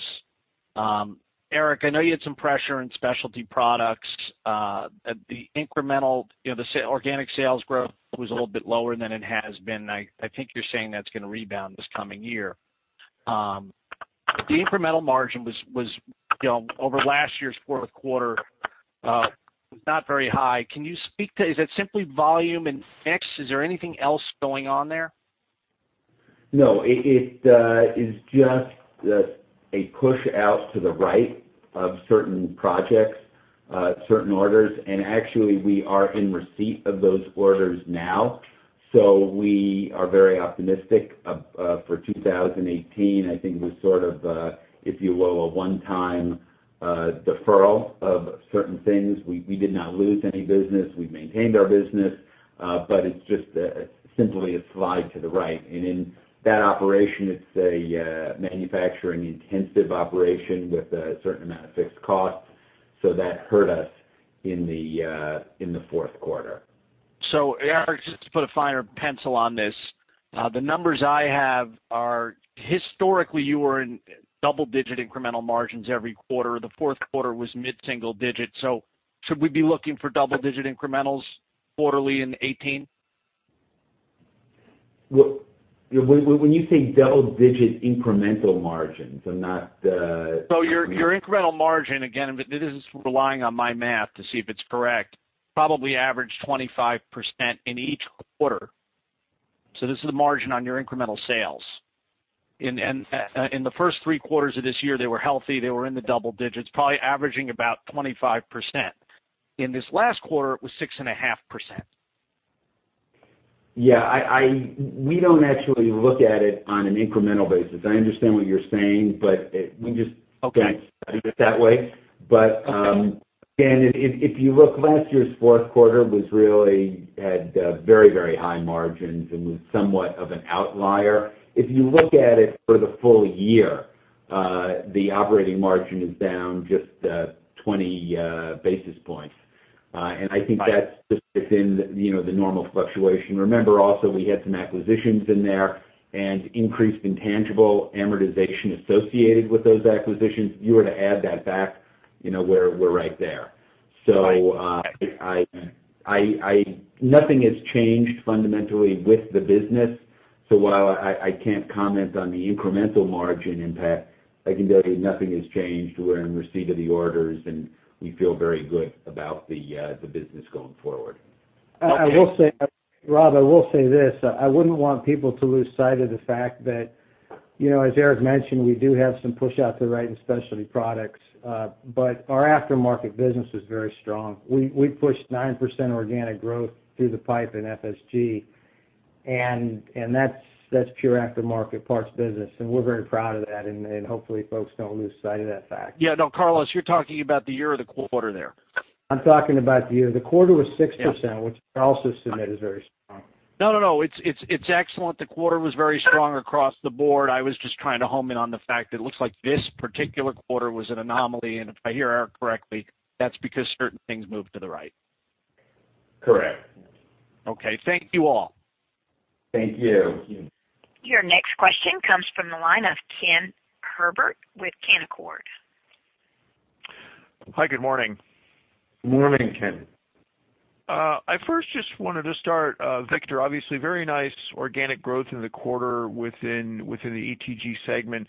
Eric, I know you had some pressure in specialty products. The organic sales growth was a little bit lower than it has been. I think you're saying that's going to rebound this coming year. The incremental margin was, over last year's fourth quarter, was not very high. Is it simply volume and mix? Is there anything else going on there? No. It is just a push out to the right of certain projects, certain orders. Actually, we are in receipt of those orders now. We are very optimistic for 2018. I think it was sort of, if you will, a one-time deferral of certain things. We did not lose any business. We maintained our business. It's just simply a slide to the right. In that operation, it's a manufacturing intensive operation with a certain amount of fixed costs. That hurt us in the fourth quarter. Eric, just to put a finer pencil on this, the numbers I have are, historically you were in double-digit incremental margins every quarter. The fourth quarter was mid-single digits. Should we be looking for double-digit incrementals quarterly in 2018? When you say double-digit incremental margins. Your incremental margin, again, this is relying on my math to see if it's correct, probably average 25% in each quarter. This is the margin on your incremental sales. In the first three quarters of this year, they were healthy. They were in the double digits, probably averaging about 25%. In this last quarter, it was 6.5%. Yeah. We don't actually look at it on an incremental basis. I understand what you're saying. Okay don't study it that way. Okay again, if you look, last year's fourth quarter really had very high margins and was somewhat of an outlier. If you look at it for the full year, the operating margin is down just 20 basis points. I think that's just within the normal fluctuation. Remember also we had some acquisitions in there and increased intangible amortization associated with those acquisitions. If you were to add that back, we're right there. Nothing has changed fundamentally with the business. While I can't comment on the incremental margin impact, I can tell you nothing has changed. We're in receipt of the orders, and we feel very good about the business going forward. Okay. Rob, I will say this. I wouldn't want people to lose sight of the fact that, as Eric mentioned, we do have some push out to right in specialty products. Our aftermarket business was very strong. We pushed 9% organic growth through the pipe in FSG, and that's pure aftermarket parts business, and we're very proud of that. Hopefully folks don't lose sight of that fact. Yeah. No, Carlos, you're talking about the year or the quarter there? I'm talking about the year. The quarter was 6%. Yeah which I also submit is very strong. No. It's excellent. The quarter was very strong across the board. I was just trying to home in on the fact that it looks like this particular quarter was an anomaly, and if I hear Eric correctly, that's because certain things moved to the right. Correct. Okay. Thank you all. Thank you. Thank you. Your next question comes from the line of Ken Herbert with Canaccord. Hi, good morning. Morning, Ken. I first just wanted to start, Victor, obviously very nice organic growth in the quarter within the ETG segment.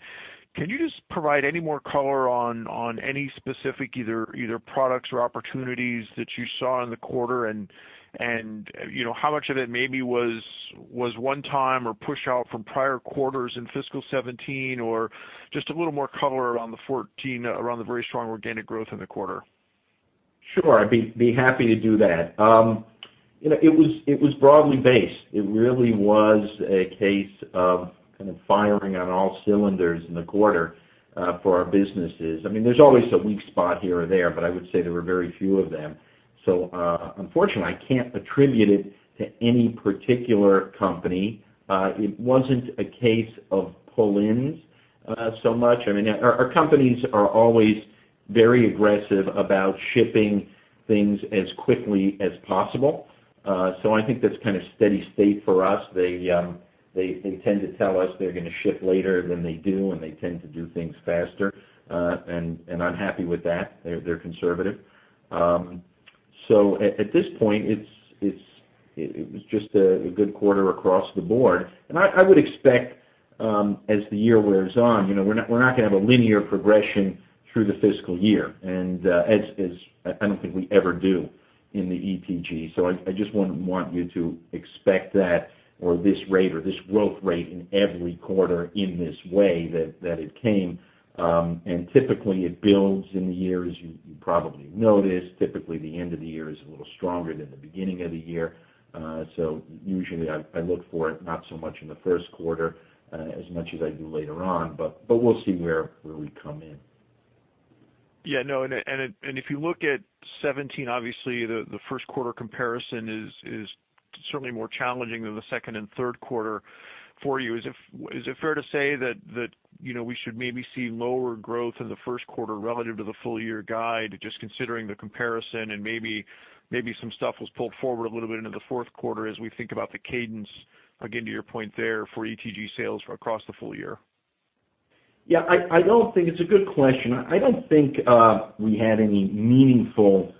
Can you just provide any more color on any specific, either products or opportunities that you saw in the quarter? How much of it maybe was one time or push out from prior quarters in fiscal 2017? Just a little more color around the very strong organic growth in the quarter. Sure. I'd be happy to do that. It was broadly based. It really was a case of kind of firing on all cylinders in the quarter, for our businesses. There's always a weak spot here or there, but I would say there were very few of them. Unfortunately, I can't attribute it to any particular company. It wasn't a case of pull-ins so much. Our companies are always very aggressive about shipping things as quickly as possible. I think that's kind of steady state for us. They tend to tell us they're going to ship later than they do, and they tend to do things faster. I'm happy with that. They're conservative. At this point, it was just a good quarter across the board. I would expect, as the year wears on, we're not going to have a linear progression through the fiscal year, and I don't think we ever do in the ETG. I just wouldn't want you to expect that or this rate or this growth rate in every quarter in this way that it came. Typically, it builds in the year, as you probably noticed. Typically, the end of the year is a little stronger than the beginning of the year. Usually I look for it not so much in the first quarter as much as I do later on, but we'll see where we come in. Yeah. No, if you look at 2017, obviously the first quarter comparison is certainly more challenging than the second and third quarter for you. Is it fair to say that we should maybe see lower growth in the first quarter relative to the full year guide, just considering the comparison and maybe some stuff was pulled forward a little bit into the fourth quarter as we think about the cadence, again, to your point there, for ETG sales across the full year? Yeah. It's a good question. I don't think we had any meaningful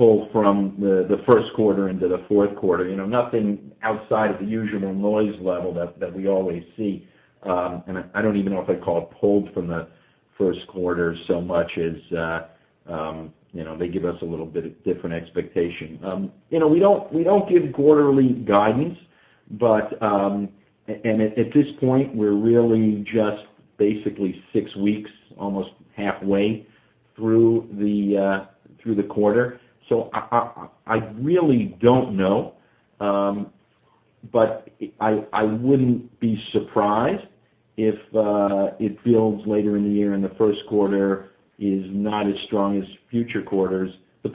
pull from the first quarter into the fourth quarter. Nothing outside of the usual noise level that we always see. I don't even know if I'd call it pulled from the first quarter so much as they give us a little bit of different expectation. We don't give quarterly guidance, and at this point, we're really just basically six weeks, almost halfway through the quarter. I really don't know. I wouldn't be surprised if it feels later in the year and the first quarter is not as strong as future quarters.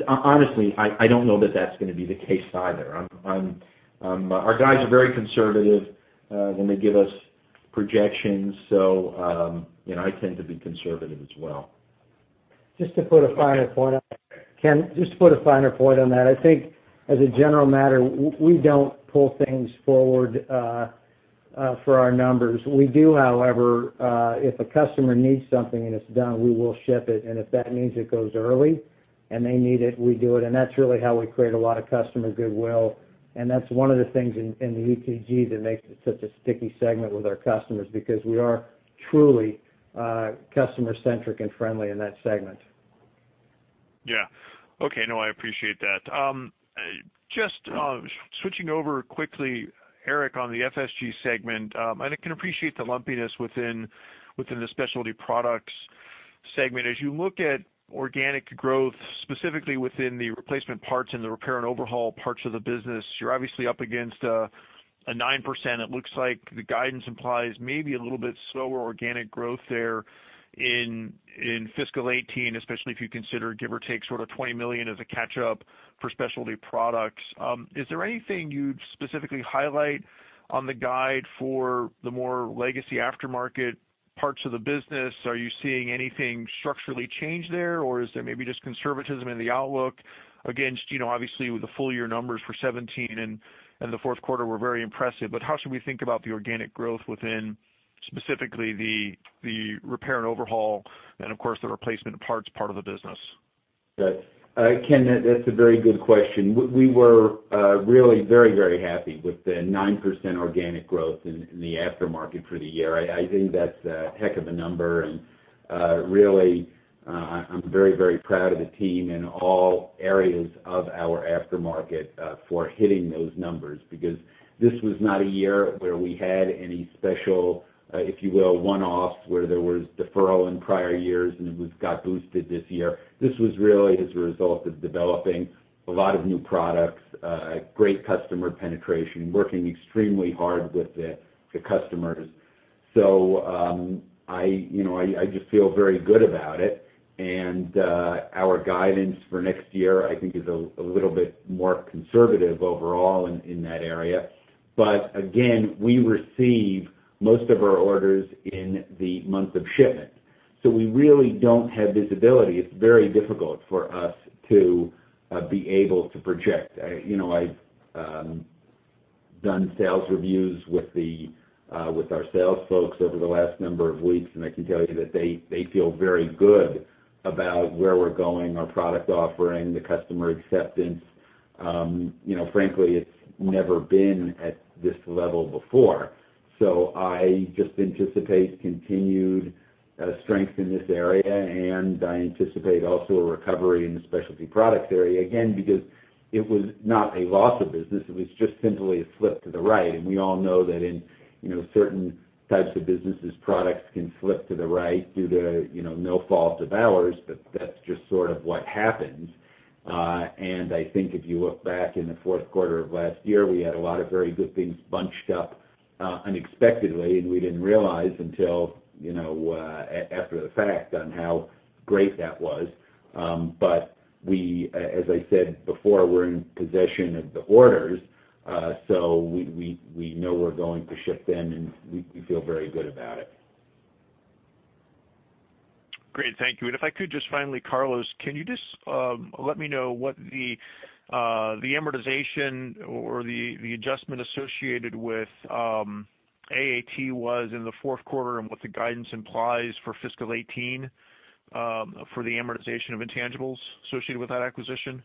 Honestly, I don't know that that's going to be the case either. Our guys are very conservative when they give us projections. I tend to be conservative as well. Ken, just to put a finer point on that, I think as a general matter, we don't pull things forward for our numbers. We do, however, if a customer needs something and it's done, we will ship it, and if that means it goes early and they need it, we do it. That's really how we create a lot of customer goodwill. That's one of the things in the ETG that makes it such a sticky segment with our customers, because we are truly customer-centric and friendly in that segment. Yeah. Okay. No, I appreciate that. Just switching over quickly, Eric, on the FSG segment, and I can appreciate the lumpiness within the specialty products segment. As you look at organic growth, specifically within the replacement parts and the repair and overhaul parts of the business, you're obviously up against a 9%. It looks like the guidance implies maybe a little bit slower organic growth there in fiscal 2018, especially if you consider give or take sort of $20 million as a catch-up for specialty products. Is there anything you'd specifically highlight on the guide for the more legacy aftermarket parts of the business? Are you seeing anything structurally change there, or is there maybe just conservatism in the outlook against, obviously, with the full year numbers for 2017 and the fourth quarter were very impressive. How should we think about the organic growth within specifically the repair and overhaul and of course, the replacement parts part of the business? Ken, that's a very good question. We were really very happy with the 9% organic growth in the aftermarket for the year. I think that's a heck of a number, and really, I'm very proud of the team in all areas of our aftermarket for hitting those numbers, because this was not a year where we had any special, if you will, one-offs where there was deferral in prior years and it got boosted this year. This was really as a result of developing a lot of new products, great customer penetration, working extremely hard with the customers. I just feel very good about it, and our guidance for next year, I think is a little bit more conservative overall in that area. Again, we receive most of our orders in the month of shipment. We really don't have visibility. It's very difficult for us to be able to project. I've done sales reviews with our sales folks over the last number of weeks, and I can tell you that they feel very good about where we're going, our product offering, the customer acceptance. Frankly, it's never been at this level before. I just anticipate continued strength in this area, and I anticipate also a recovery in the specialty products area, again, because it was not a loss of business. It was just simply a slip to the right. We all know that in certain types of businesses, products can slip to the right due to no fault of ours, that's just sort of what happens. I think if you look back in the fourth quarter of last year, we had a lot of very good things bunched up unexpectedly, and we didn't realize until after the fact on how great that was. As I said before, we're in possession of the orders. We know we're going to ship them, and we feel very good about it. Great. Thank you. If I could just finally, Carlos, can you just let me know what the amortization or the adjustment associated with AAT was in the fourth quarter and what the guidance implies for fiscal 2018 for the amortization of intangibles associated with that acquisition?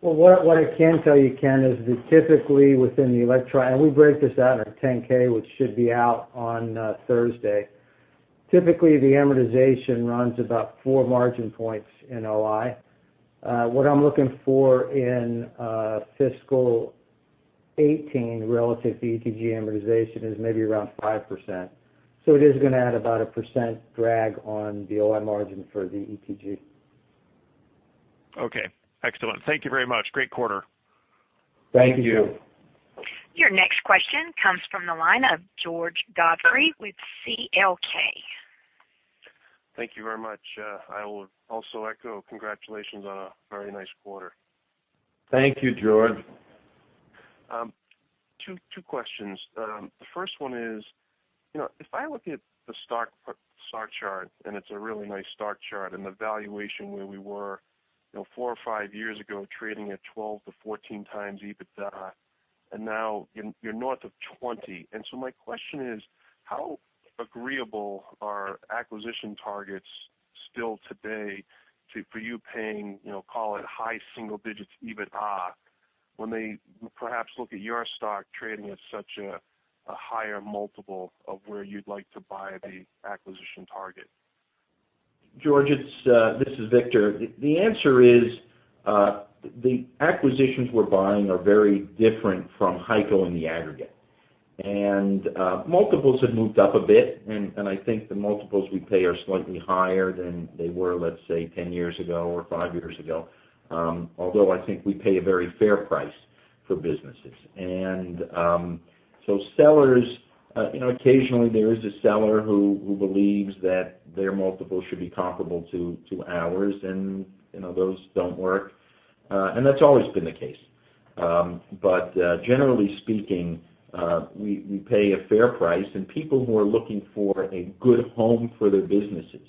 What I can tell you, Ken, is that typically within the electronic, and we break this out in our 10-K, which should be out on Thursday. Typically, the amortization runs about four margin points in OI. What I'm looking for in fiscal 2018 relative to ETG amortization is maybe around 5%. It is going to add about a 1% drag on the OI margin for the ETG. Okay. Excellent. Thank you very much. Great quarter. Thank you. Your next question comes from the line of George Godfrey with CLK. Thank you very much. I will also echo congratulations on a very nice quarter. Thank you, George. Two questions. The first one is, if I look at the stock chart, and it's a really nice stock chart, and the valuation where we were four or five years ago, trading at 12 to 14 times EBITDA. Now you're north of 20. My question is, how agreeable are acquisition targets still today for you paying, call it high single digits, EBITDA, when they perhaps look at your stock trading at such a higher multiple of where you'd like to buy the acquisition target? George, this is Victor. The answer is, the acquisitions we're buying are very different from HEICO in the aggregate. Multiples have moved up a bit, and I think the multiples we pay are slightly higher than they were, let's say, 10 years ago or five years ago, although I think we pay a very fair price for businesses. Occasionally, there is a seller who believes that their multiple should be comparable to ours and those don't work. That's always been the case. Generally speaking, we pay a fair price. People who are looking for a good home for their businesses,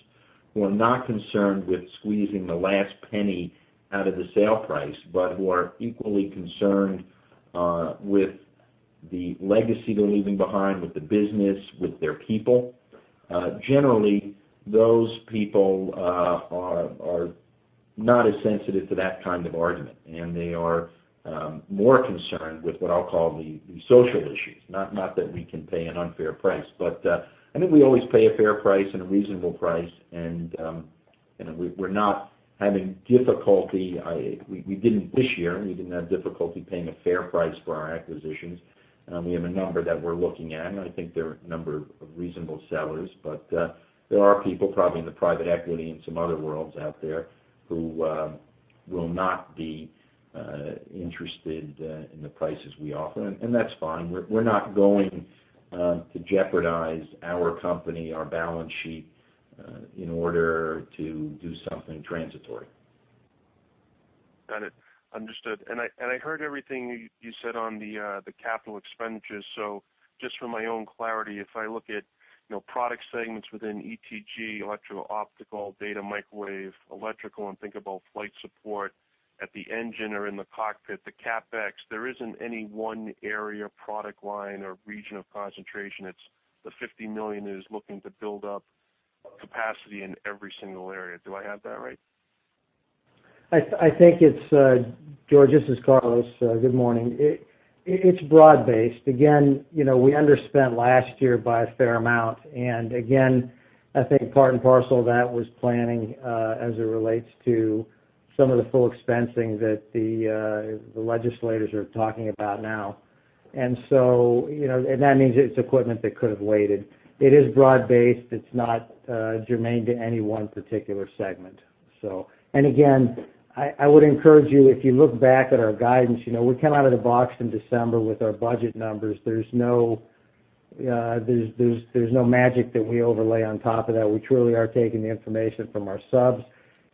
who are not concerned with squeezing the last penny out of the sale price, but who are equally concerned with the legacy they're leaving behind with the business, with their people, generally, those people are not as sensitive to that kind of argument, and they are more concerned with what I'll call the social issues. Not that we can pay an unfair price, but I think we always pay a fair price and a reasonable price, and we're not having difficulty. We didn't this year, we didn't have difficulty paying a fair price for our acquisitions. We have a number that we're looking at, and I think there are a number of reasonable sellers. There are people probably in the private equity and some other worlds out there who will not be interested in the prices we offer, and that's fine. We're not going to jeopardize our company, our balance sheet in order to do something transitory. Got it. Understood. I heard everything you said on the capital expenditures. Just for my own clarity, if I look at product segments within ETG, electro-optical, data microwave, electrical, and think about flight support at the engine or in the cockpit, the CapEx, there isn't any one area, product line, or region of concentration. It's the $50 million is looking to build up capacity in every single area. Do I have that right? George, this is Carlos. Good morning. It's broad-based. Again, we underspent last year by a fair amount, again, I think part and parcel of that was planning as it relates to some of the full expensing that the legislators are talking about now. That means it's equipment that could have waited. It is broad-based. It's not germane to any one particular segment, so. Again, I would encourage you, if you look back at our guidance, we come out of the box in December with our budget numbers. There's no magic that we overlay on top of that. We truly are taking the information from our subs.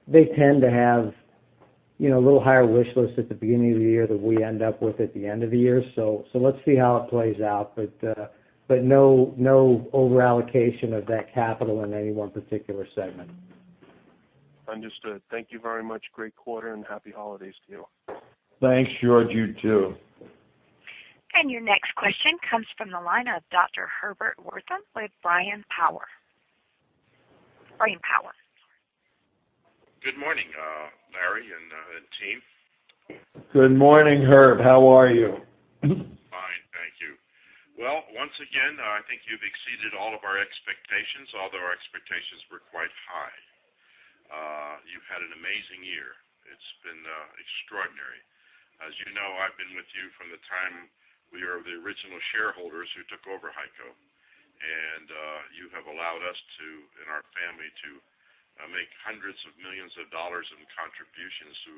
They tend to have a little higher wish list at the beginning of the year than we end up with at the end of the year. Let's see how it plays out, but no over-allocation of that capital in any one particular segment. Understood. Thank you very much. Great quarter, and happy holidays to you. Thanks, George. You, too. Your next question comes from the line of Dr. Herbert Wertheim with Brain Power. Good morning, Larry and team. Good morning, Herb. How are you? Fine, thank you. Once again, I think you've exceeded all of our expectations, although our expectations were quite high. You've had an amazing year. It's been extraordinary. As you know, I've been with you from the time we were the original shareholders who took over HEICO, and you have allowed us to, and our family to make hundreds of millions of dollars in contributions to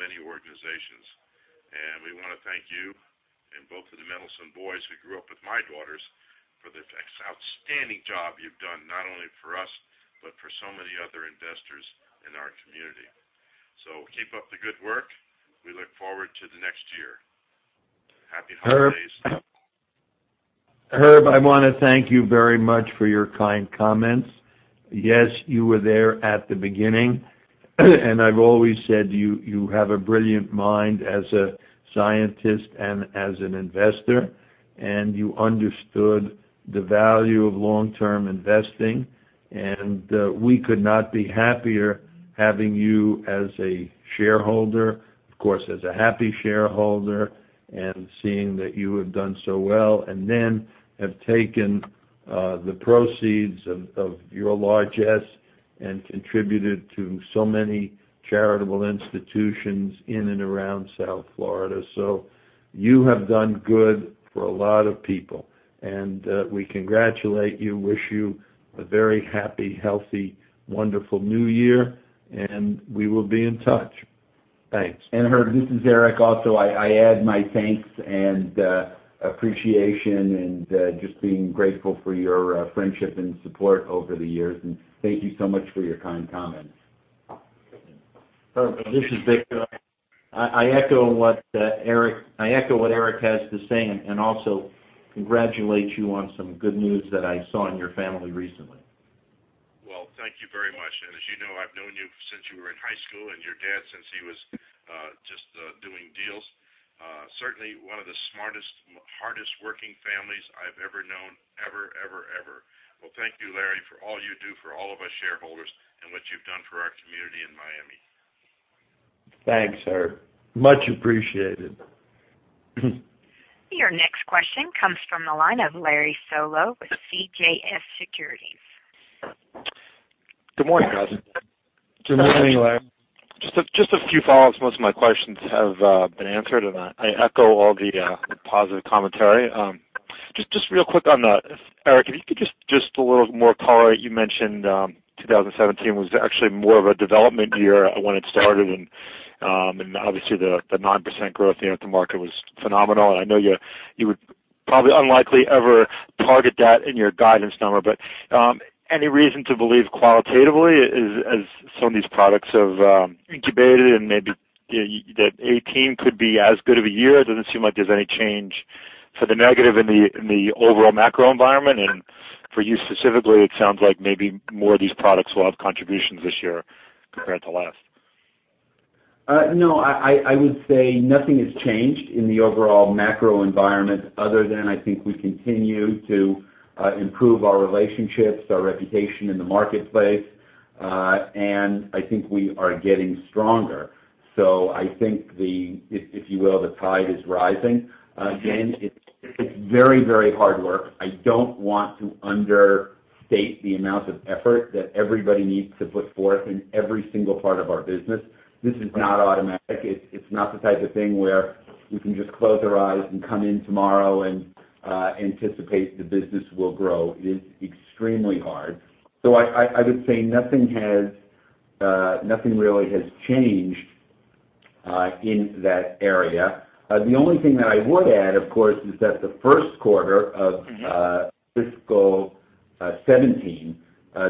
many organizations. We want to thank you and both of the Mendelson boys who grew up with my daughters for the outstanding job you've done, not only for us, but for so many other investors in our community. Keep up the good work. We look forward to the next year. Happy holidays. Herb, I want to thank you very much for your kind comments. Yes, you were there at the beginning and I've always said you have a brilliant mind as a scientist and as an investor, and you understood the value of long-term investing, and we could not be happier having you as a shareholder, of course, as a happy shareholder, and seeing that you have done so well and then have taken the proceeds of your largesse and contributed to so many charitable institutions in and around South Florida. You have done good for a lot of people, and we congratulate you, wish you a very happy, healthy, wonderful new year, and we will be in touch. Thanks. Herb, this is Eric. Also, I add my thanks and appreciation and just being grateful for your friendship and support over the years, and thank you so much for your kind comments. Herb, this is Victor. I echo what Eric has to say, and also congratulate you on some good news that I saw in your family recently. Your dad since he was just doing deals. Certainly one of the smartest, hardest working families I've ever known. Ever. Well, thank you, Larry, for all you do for all of us shareholders and what you've done for our community in Miami. Thanks, Herb. Much appreciated. Your next question comes from the line of Larry Solow with CJS Securities. Good morning, guys. Good morning, Larry. Just a few follows. Most of my questions have been answered. I echo all the positive commentary. Just real quick on that, Eric, if you could, just a little more color. You mentioned 2017 was actually more of a development year when it started, and obviously the 9% growth at the market was phenomenal. I know you would probably unlikely ever target that in your guidance number, but any reason to believe qualitatively as some of these products have incubated and maybe that 2018 could be as good of a year? It doesn't seem like there's any change for the negative in the overall macro environment. For you specifically, it sounds like maybe more of these products will have contributions this year compared to last. I would say nothing has changed in the overall macro environment other than I think we continue to improve our relationships, our reputation in the marketplace. I think we are getting stronger. I think the, if you will, the tide is rising. Again, it's very hard work. I don't want to understate the amount of effort that everybody needs to put forth in every single part of our business. This is not automatic. It's not the type of thing where we can just close our eyes and come in tomorrow and anticipate the business will grow. It is extremely hard. I would say nothing really has changed in that area. The only thing that I would add, of course, is that the first quarter of- fiscal 2017,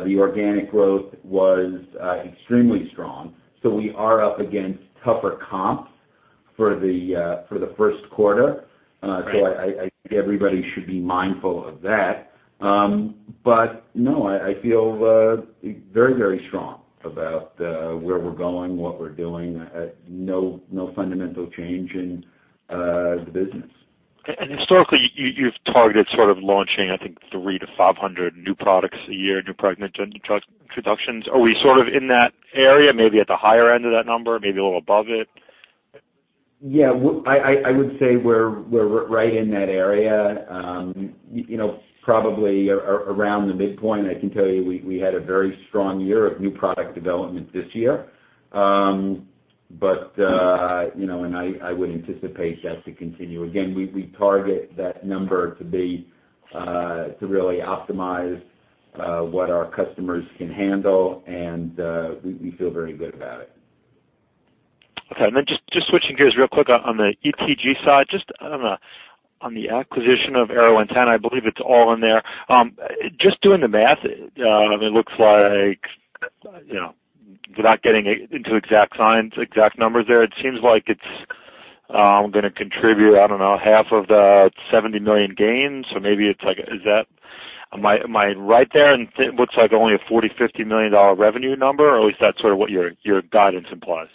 the organic growth was extremely strong. We are up against tougher comps for the first quarter. Right. I think everybody should be mindful of that. No, I feel very strong about where we're going, what we're doing. No fundamental change in the business. Historically, you've targeted sort of launching, I think, 300 to 500 new products a year, new product introductions. Are we sort of in that area, maybe at the higher end of that number, maybe a little above it? Yeah. I would say we're right in that area. Probably around the midpoint. I can tell you, we had a very strong year of new product development this year. I would anticipate that to continue. Again, we target that number to really optimize what our customers can handle, and we feel very good about it. Okay. Just switching gears real quick on the ETG side, just on the acquisition of AeroAntenna, I believe it's all in there. Just doing the math, it looks like, without getting into exact science, exact numbers there, it seems like it's going to contribute, I don't know, half of the $70 million gains. Am I right there? It looks like only a $40 million-$50 million revenue number, or is that sort of what your guidance implies?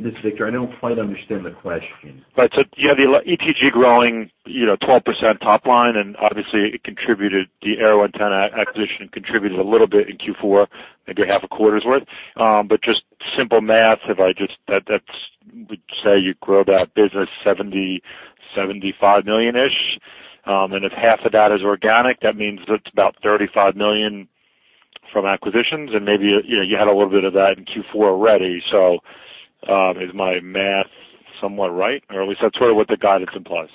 This is Victor. I don't quite understand the question. Right. You have ETG growing 12% top line, and obviously it contributed, the AeroAntenna acquisition contributed a little bit in Q4, maybe half a quarter's worth. Just simple math, would say you grow that business $70 million-$75 million-ish. If half of that is organic, that means it's about $35 million from acquisitions. Maybe you had a little bit of that in Q4 already. Is my math somewhat right? At least that's sort of what the guidance implies.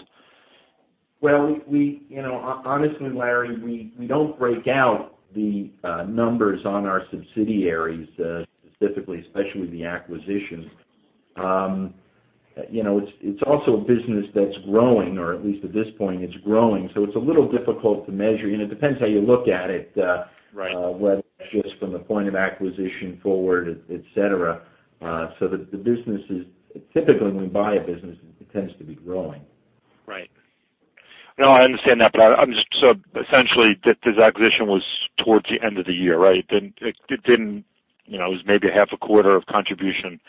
Well, honestly, Larry, we don't break out the numbers on our subsidiaries specifically, especially the acquisitions. It's also a business that's growing, or at least at this point it's growing, it's a little difficult to measure. It depends how you look at it. Right Whether it's just from the point of acquisition forward, et cetera. The business is, typically when we buy a business, it tends to be growing. Right. No, I understand that, essentially this acquisition was towards the end of the year, right? It was maybe a half a quarter of contribution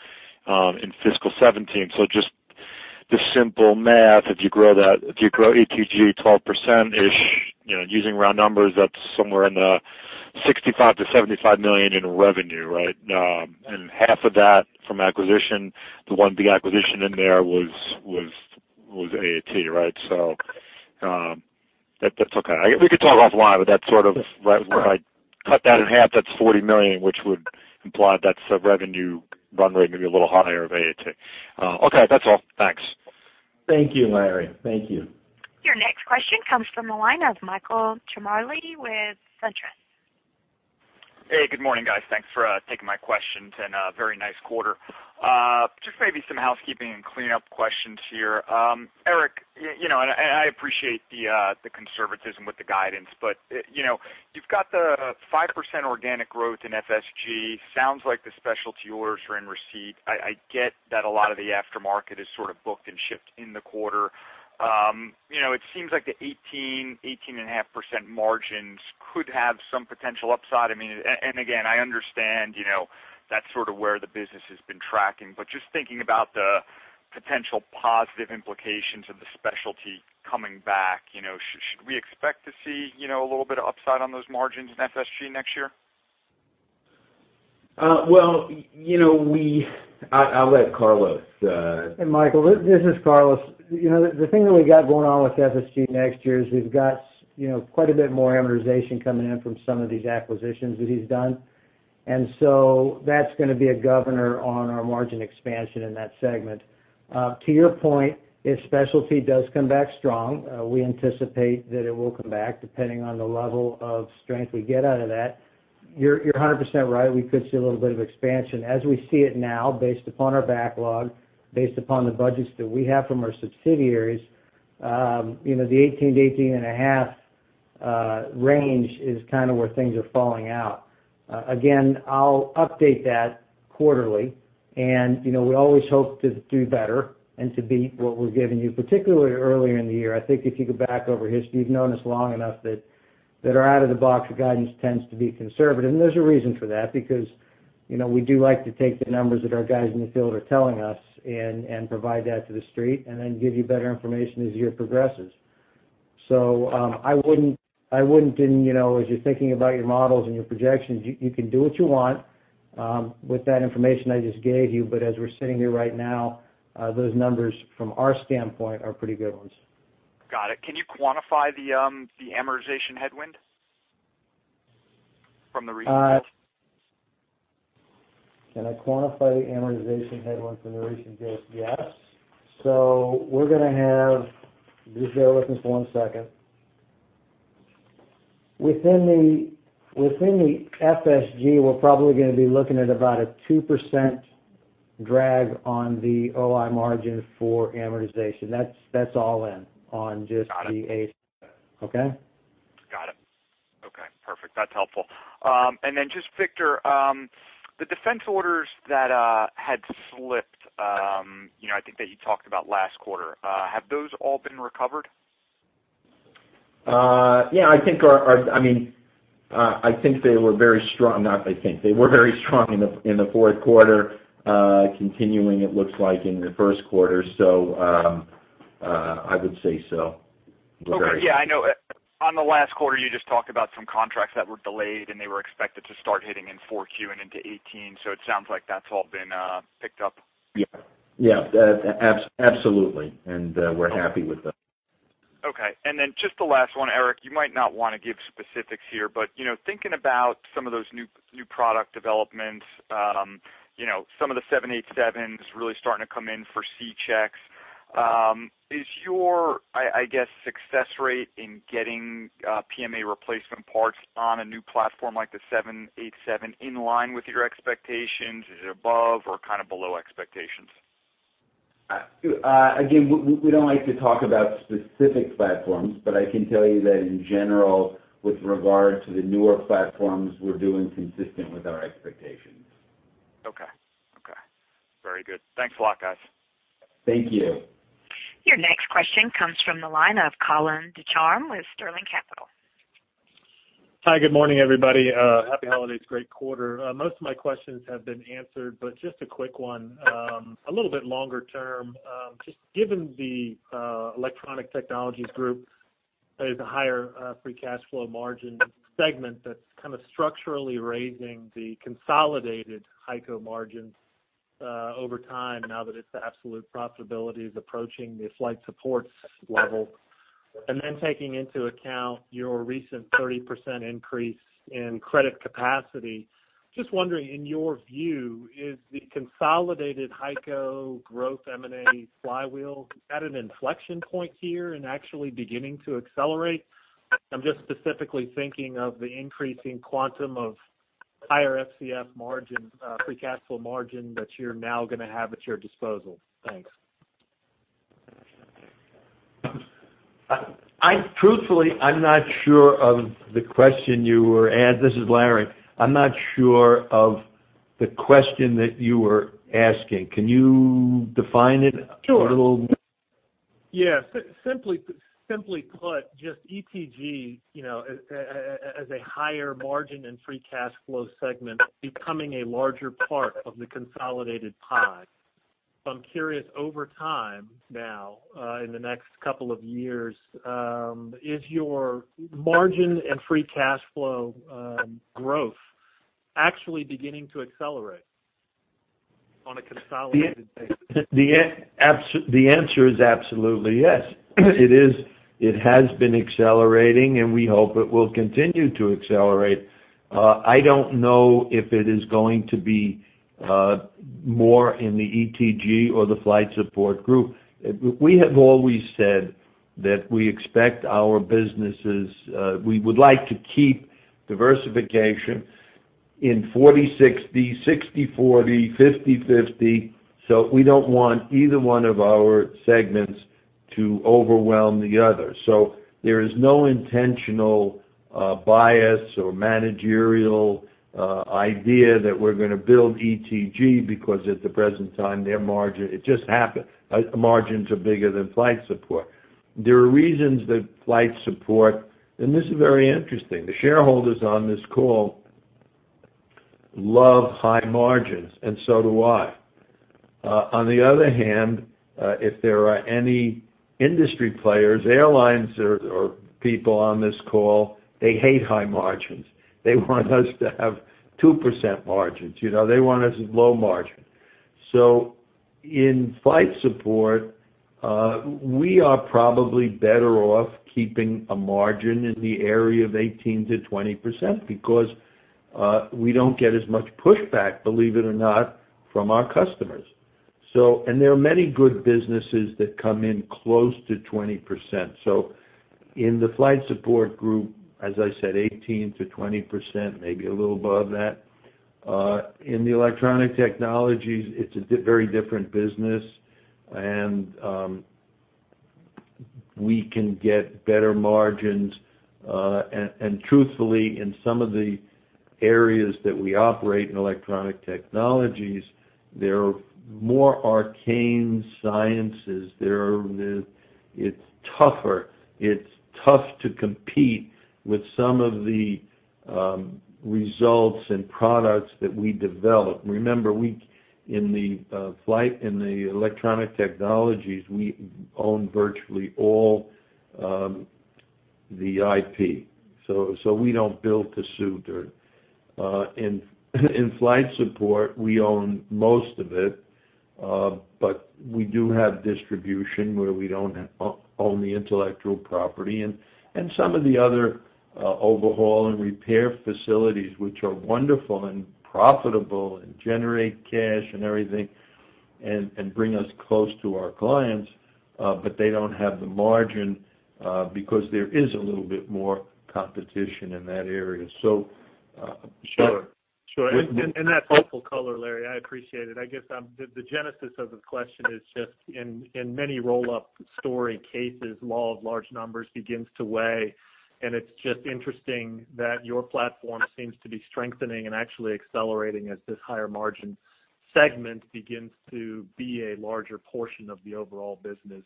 in fiscal 2017. Just the simple math, if you grow ETG 12%-ish, using round numbers, that's somewhere in the $65 million-$75 million in revenue, right? Half of that from acquisition, the one big acquisition in there was AAT, right? That's okay. We could talk offline, that's sort of if I cut that in half, that's $40 million, which would imply that's a revenue run rate, maybe a little higher of AAT. Okay, that's all. Thanks. Thank you, Larry. Thank you. Your next question comes from the line of Michael Ciarmoli with SunTrust. Hey, good morning, guys. Thanks for taking my questions and a very nice quarter. Just maybe some housekeeping and cleanup questions here. Eric, I appreciate the conservatism with the guidance, but you've got the 5% organic growth in FSG. Sounds like the specialty orders are in receipt. I get that a lot of the aftermarket is sort of booked and shipped in the quarter. It seems like the 18%, 18.5% margins could have some potential upside. Again, I understand that's sort of where the business has been tracking, but just thinking about the potential positive implications of the specialty coming back, should we expect to see a little bit of upside on those margins in FSG next year? Well, I'll let Carlos. Hey, Michael, this is Carlos. The thing that we got going on with FSG next year is we've got quite a bit more amortization coming in from some of these acquisitions that he's done. So that's going to be a governor on our margin expansion in that segment. To your point, if specialty does come back strong, we anticipate that it will come back depending on the level of strength we get out of that. You're 100% right, we could see a little bit of expansion. As we see it now, based upon our backlog, based upon the budgets that we have from our subsidiaries, the 18% to 18.5% range is kind of where things are falling out. Again, I'll update that quarterly, and we always hope to do better and to beat what we're giving you, particularly earlier in the year. I think if you go back over history, you've known us long enough that our out of the box guidance tends to be conservative. There's a reason for that, because we do like to take the numbers that our guys in the field are telling us and provide that to the street, and then give you better information as the year progresses. I wouldn't, as you're thinking about your models and your projections, you can do what you want with that information I just gave you, but as we're sitting here right now, those numbers from our standpoint are pretty good ones. Got it. Can you quantify the amortization headwind from the recent deals? Can I quantify the amortization headwind from the recent deals? Yes. Just bear with me for one second. Within the FSG, we're probably going to be looking at about a 2% drag on the OI margin for amortization. Got it. Okay? Got it. Okay, perfect. That's helpful. Just Victor, the defense orders that had slipped, I think that you talked about last quarter, have those all been recovered? Yeah, I think they were very strong, not I think. They were very strong in the fourth quarter, continuing it looks like in the first quarter, I would say so. We're very happy. Okay. Yeah, I know on the last quarter, you just talked about some contracts that were delayed, they were expected to start hitting in 4Q and into 2018. It sounds like that's all been picked up. Yeah. Absolutely. We're happy with them. Okay. Then just the last one, Eric, you might not want to give specifics here, but thinking about some of those new product developments, some of the 787s really starting to come in for C checks. Is your, I guess, success rate in getting PMA replacement parts on a new platform like the 787 in line with your expectations? Is it above or kind of below expectations? Again, we don't like to talk about specific platforms, but I can tell you that in general, with regard to the newer platforms, we're doing consistent with our expectations. Okay. Very good. Thanks a lot, guys. Thank you. Your next question comes from the line of Colin Ducharme with Sterling Capital. Hi, good morning, everybody. Happy holidays. Great quarter. Most of my questions have been answered, but just a quick one. A little bit longer term. Just given the Electronic Technologies Group is a higher free cash flow margin segment that's kind of structurally raising the consolidated HEICO margin over time now that its absolute profitability is approaching the Flight Support Group level. Then taking into account your recent 30% increase in credit capacity, just wondering, in your view, is the consolidated HEICO growth M&A flywheel at an inflection point here and actually beginning to accelerate? I'm just specifically thinking of the increasing quantum of higher FCF margin, free cash flow margin that you're now going to have at your disposal. Thanks. Truthfully, this is Larry. I'm not sure of the question that you were asking. Can you define it a little? Sure. Yeah. Simply put, just ETG as a higher margin and free cash flow segment becoming a larger part of the consolidated pie. I'm curious over time now, in the next couple of years, is your margin and free cash flow growth actually beginning to accelerate on a consolidated basis? The answer is absolutely yes. It has been accelerating, and we hope it will continue to accelerate. I don't know if it is going to be more in the ETG or the Flight Support Group. We have always said that we expect our businesses, we would like to keep diversification in 40/60/40, 50/50. We don't want either one of our segments to overwhelm the other. There is no intentional bias or managerial idea that we're going to build ETG because at the present time their margin, it just happened. Margins are bigger than Flight Support. This is very interesting. The shareholders on this call love high margins, and so do I. On the other hand, if there are any industry players, airlines, or people on this call, they hate high margins. They want us to have 2% margins. They want us low margin. In Flight Support, we are probably better off keeping a margin in the area of 18%-20% because we don't get as much pushback, believe it or not, from our customers. There are many good businesses that come in close to 20%. In the Flight Support Group, as I said, 18%-20%, maybe a little above that. In the Electronic Technologies, it's a very different business, and we can get better margins. Truthfully, in some of the areas that we operate in Electronic Technologies, they're more arcane sciences. It's tougher. It's tough to compete with some of the results and products that we develop. Remember, in the Electronic Technologies, we own virtually all the IP. We don't build to suit. In Flight Support, we own most of it, but we do have distribution where we don't own the intellectual property and some of the other overhaul and repair facilities, which are wonderful and profitable and generate cash and everything and bring us close to our clients, but they don't have the margin, because there is a little bit more competition in that area. Sure. Sure. That's helpful color, Larry. I appreciate it. I guess, the genesis of the question is just in many roll-up story cases, law of large numbers begins to weigh, and it's just interesting that your platform seems to be strengthening and actually accelerating as this higher margin segment begins to be a larger portion of the overall business.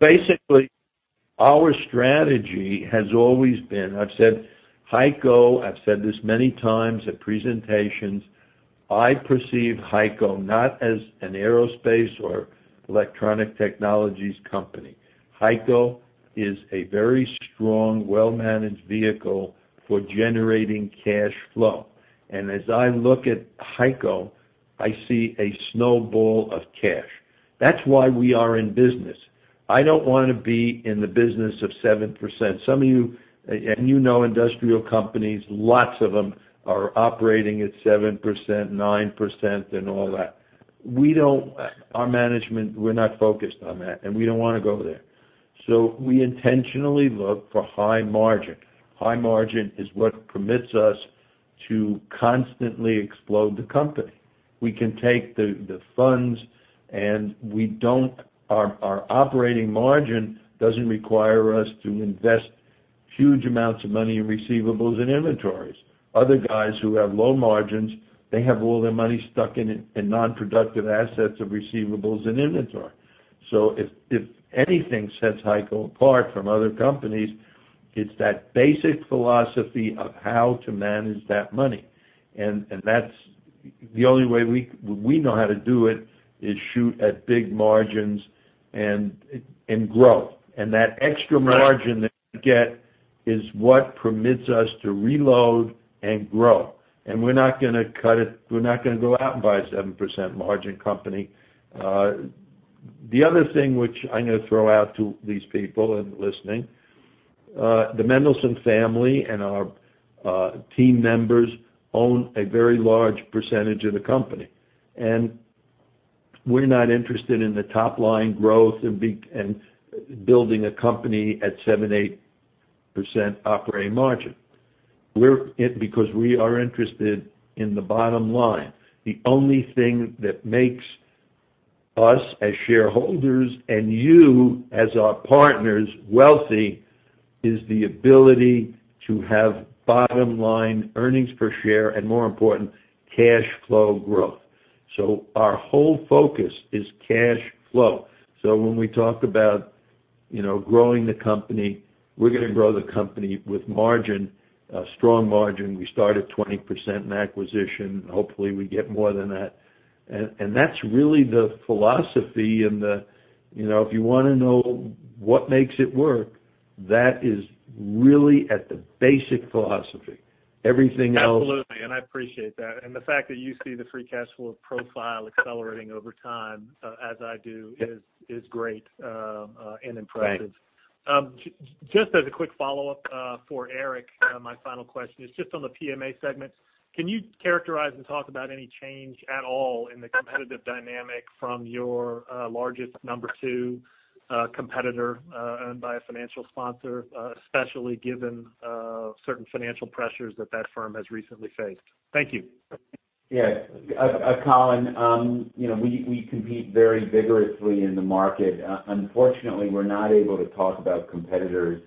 Basically, our strategy has always been, I've said HEICO, I've said this many times at presentations, I perceive HEICO not as an aerospace or Electronic Technologies company. HEICO is a very strong, well-managed vehicle for generating cash flow. As I look at HEICO, I see a snowball of cash. That's why we are in business. I don't want to be in the business of 7%. Some of you know industrial companies, lots of them are operating at 7%, 9%, and all that. Our management, we're not focused on that, and we don't want to go there. We intentionally look for high margin. High margin is what permits us to constantly explode the company. We can take the funds, our operating margin doesn't require us to invest huge amounts of money in receivables and inventories. Other guys who have low margins, they have all their money stuck in non-productive assets of receivables and inventory. If anything sets HEICO apart from other companies, it's that basic philosophy of how to manage that money. The only way we know how to do it is shoot at big margins and grow. That extra margin that you get is what permits us to reload and grow. We're not going to cut it. We're not going to go out and buy a 7% margin company. The other thing which I'm going to throw out to these people listening, the Mendelson family and our team members own a very large percentage of the company, and we're not interested in the top-line growth and building a company at 7%, 8% operating margin. We are interested in the bottom line. The only thing that makes us, as shareholders, and you, as our partners, wealthy, is the ability to have bottom-line earnings per share and, more important, cash flow growth. Our whole focus is cash flow. When we talk about growing the company, we're going to grow the company with margin, a strong margin. We start at 20% in acquisition. Hopefully, we get more than that. That's really the philosophy. If you want to know what makes it work, that is really at the basic philosophy. Absolutely. I appreciate that. The fact that you see the free cash flow profile accelerating over time, as I do, is great and impressive. Right. Just as a quick follow-up, for Eric, my final question is just on the PMA segment. Can you characterize and talk about any change at all in the competitive dynamic from your largest number 2 competitor, owned by a financial sponsor, especially given certain financial pressures that that firm has recently faced? Thank you. Yes. Colin, we compete very vigorously in the market. Unfortunately, we're not able to talk about competitors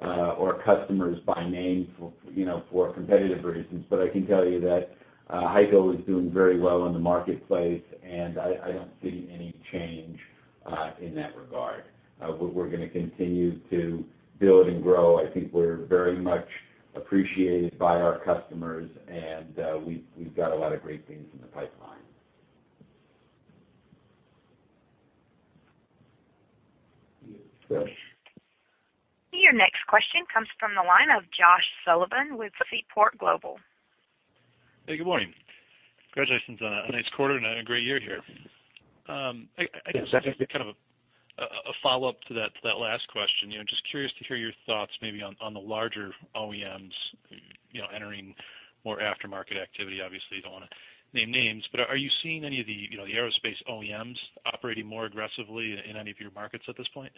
Or customers by name for competitive reasons. I can tell you that HEICO is doing very well in the marketplace, and I don't see any change in that regard. We're going to continue to build and grow. I think we're very much appreciated by our customers, and we've got a lot of great things in the pipeline. Yes. Your next question comes from the line of Josh Sullivan with Seaport Global. Hey, good morning. Congratulations on a nice quarter and a great year here. Yes. I guess kind of a follow-up to that last question. Just curious to hear your thoughts maybe on the larger OEMs entering more aftermarket activity. Obviously, don't want to name names, but are you seeing any of the aerospace OEMs operating more aggressively in any of your markets at this point?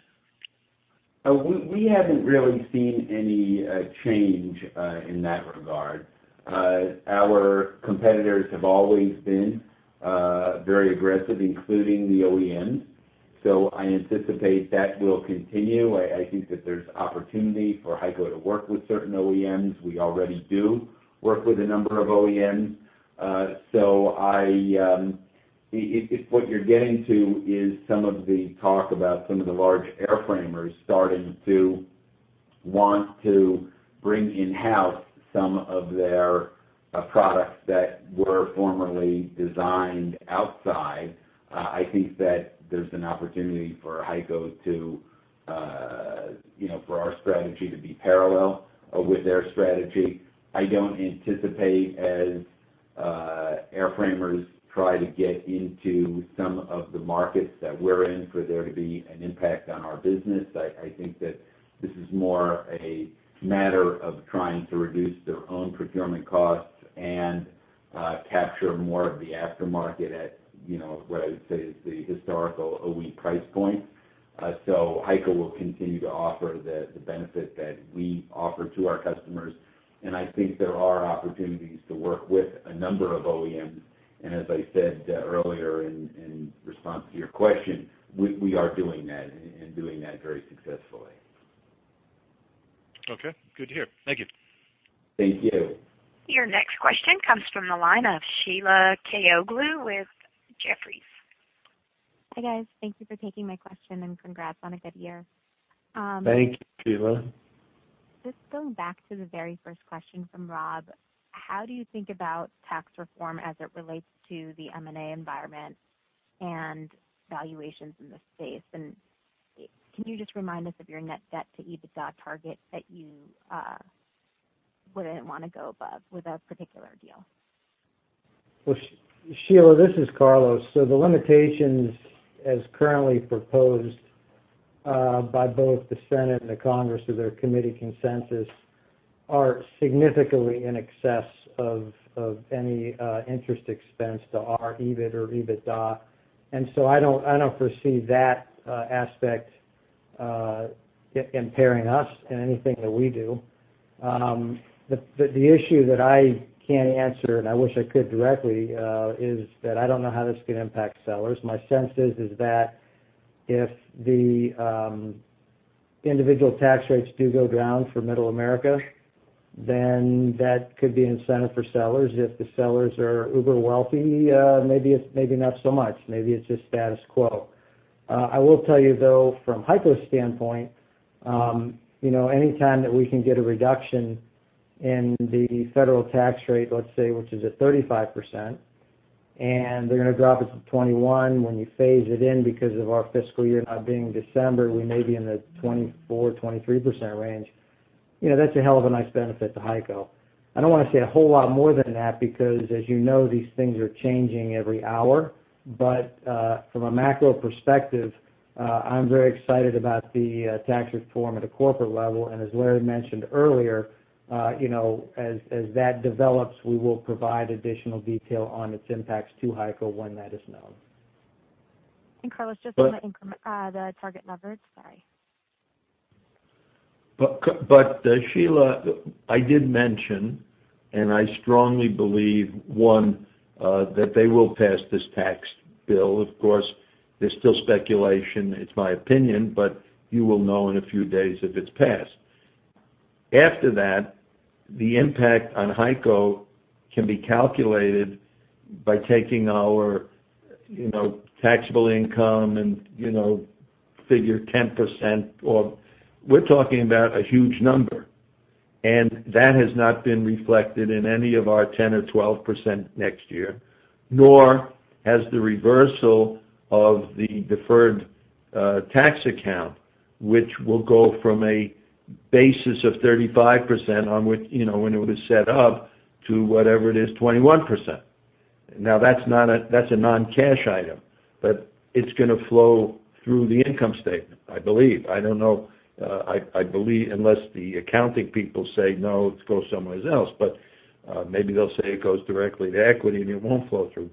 We haven't really seen any change in that regard. Our competitors have always been very aggressive, including the OEMs. I anticipate that will continue. I think that there's opportunity for HEICO to work with certain OEMs. We already do work with a number of OEMs. If what you're getting to is some of the talk about some of the large airframers starting to want to bring in-house some of their products that were formerly designed outside, I think that there's an opportunity for HEICO, for our strategy to be parallel with their strategy. I don't anticipate, as airframers try to get into some of the markets that we're in, for there to be an impact on our business. I think that this is more a matter of trying to reduce their own procurement costs and capture more of the aftermarket at what I would say is the historical OE price point. HEICO will continue to offer the benefit that we offer to our customers. I think there are opportunities to work with a number of OEMs, and as I said earlier in response to your question, we are doing that and doing that very successfully. Okay. Good to hear. Thank you. Thank you. Your next question comes from the line of Sheila Kahyaoglu with Jefferies. Hi, guys. Thank you for taking my question. Congrats on a good year. Thank you, Sheila. Just going back to the very first question from Rob, how do you think about tax reform as it relates to the M&A environment and valuations in the space? Can you just remind us of your net debt to EBITDA target that you wouldn't want to go above with a particular deal? Well, Sheila, this is Carlos. The limitations as currently proposed by both the Senate and the Congress through their committee consensus are significantly in excess of any interest expense to our EBIT or EBITDA. I don't foresee that aspect impairing us in anything that we do. The issue that I can't answer, and I wish I could directly, is that I don't know how this is going to impact sellers. My sense is that if the individual tax rates do go down for Middle America, then that could be incentive for sellers. If the sellers are uber-wealthy, maybe not so much. Maybe it's just status quo. I will tell you, though, from HEICO's standpoint, anytime that we can get a reduction in the federal tax rate, let's say, which is at 35%, and they're going to drop it to 21%. When you phase it in because of our fiscal year not being December, we may be in the 24%, 23% range. That's a hell of a nice benefit to HEICO. I don't want to say a whole lot more than that because, as you know, these things are changing every hour. From a macro perspective, I'm very excited about the tax reform at a corporate level. As Larry mentioned earlier, as that develops, we will provide additional detail on its impacts to HEICO when that is known. Carlos, just on the increment- But- The target numbers. Sorry. Sheila, I did mention, and I strongly believe, one, that they will pass this tax bill. Of course, there's still speculation. It's my opinion, you will know in a few days if it's passed. After that, the impact on HEICO can be calculated by taking our taxable income and figure. We're talking about a huge number, and that has not been reflected in any of our 10%-12% next year, nor has the reversal of the deferred tax account, which will go from a basis of 35% on when it was set up to whatever it is, 21%. That's a non-cash item, it's going to flow through the income statement, I believe. I don't know. I believe, unless the accounting people say, "No, it goes somewhere else," maybe they'll say it goes directly to equity and it won't flow through.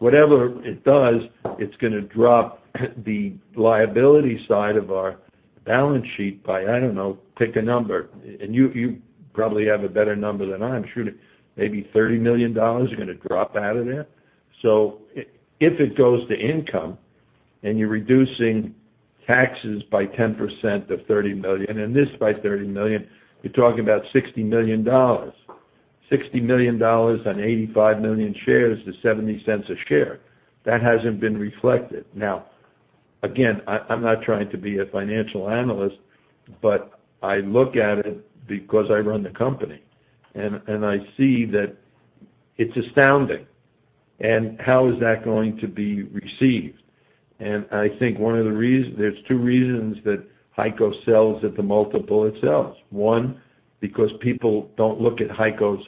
Whatever it does, it's going to drop the liability side of our balance sheet by, I don't know, pick a number. You probably have a better number than I'm shooting. Maybe $30 million is going to drop out of there. If it goes to income. You're reducing taxes by 10% of $30 million, and this by $30 million, you're talking about $60 million. $60 million on 85 million shares is $0.70 a share. That hasn't been reflected. Again, I'm not trying to be a financial analyst, I look at it because I run the company, and I see that it's astounding. How is that going to be received? I think there's two reasons that HEICO sells at the multiple it sells. One, because people don't look at HEICO's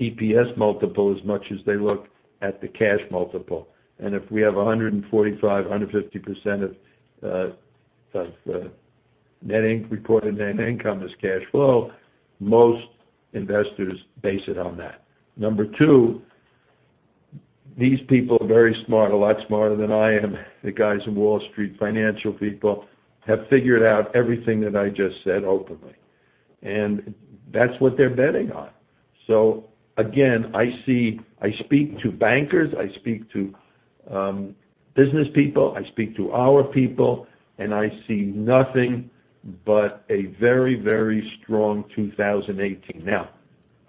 EPS multiple as much as they look at the cash multiple. If we have 145%-150% of reported net income as cash flow, most investors base it on that. Number two, these people are very smart, a lot smarter than I am. The guys on Wall Street, financial people, have figured out everything that I just said openly. That's what they're betting on. Again, I speak to bankers, I speak to business people, I speak to our people, and I see nothing but a very strong 2018.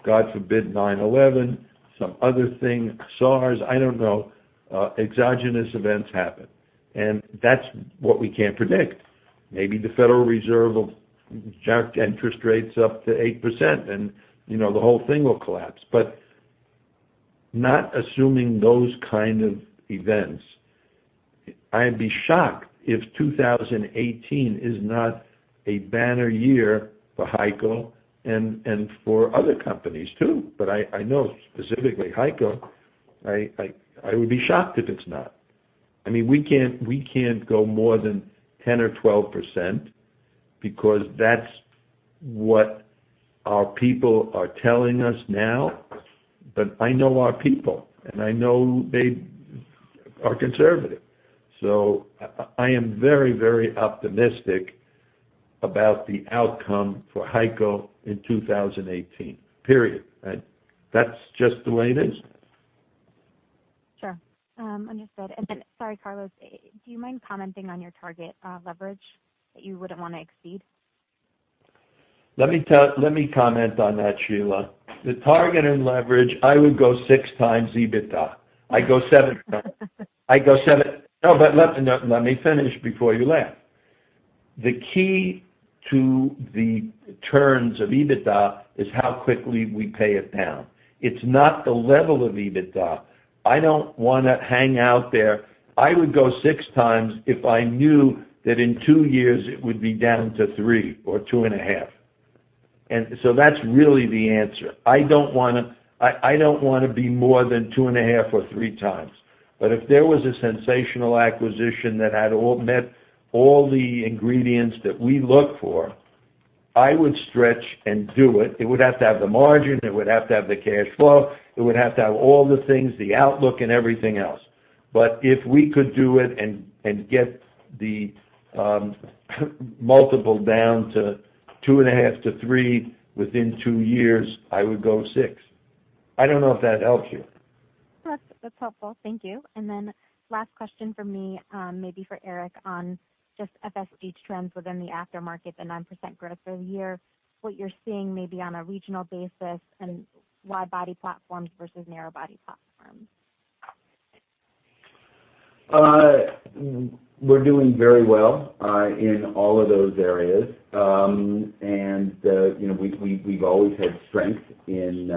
God forbid, 9/11, some other thing, SARS, I don't know, exogenous events happen. That's what we can't predict. Maybe the Federal Reserve will jack interest rates up to 8%, and the whole thing will collapse. Not assuming those kind of events, I'd be shocked if 2018 is not a banner year for HEICO and for other companies too. I know specifically HEICO, I would be shocked if it's not. We can't go more than 10% or 12%, because that's what our people are telling us now, I know our people, and I know they are conservative. I am very optimistic about the outcome for HEICO in 2018. Period. That's just the way it is. Sure. Understood. Sorry, Carlos, do you mind commenting on your target leverage that you wouldn't want to exceed? Let me comment on that, Sheila. The target and leverage, I would go six times EBITDA. I'd go seven times. Let me finish before you laugh. The key to the turns of EBITDA is how quickly we pay it down. It's not the level of EBITDA. I don't want to hang out there. I would go six times if I knew that in two years it would be down to three or two and a half. That's really the answer. I don't want to be more than two and a half or three times. If there was a sensational acquisition that had met all the ingredients that we look for, I would stretch and do it. It would have to have the margin, it would have to have the cash flow, it would have to have all the things, the outlook and everything else. If we could do it and get the multiple down to two and a half to three within two years, I would go six. I don't know if that helps you. That's helpful. Thank you. Then last question from me, maybe for Eric, on just FSD trends within the aftermarket, the 9% growth for the year, what you're seeing maybe on a regional basis and wide-body platforms versus narrow-body platforms. We're doing very well in all of those areas. We've always had strength in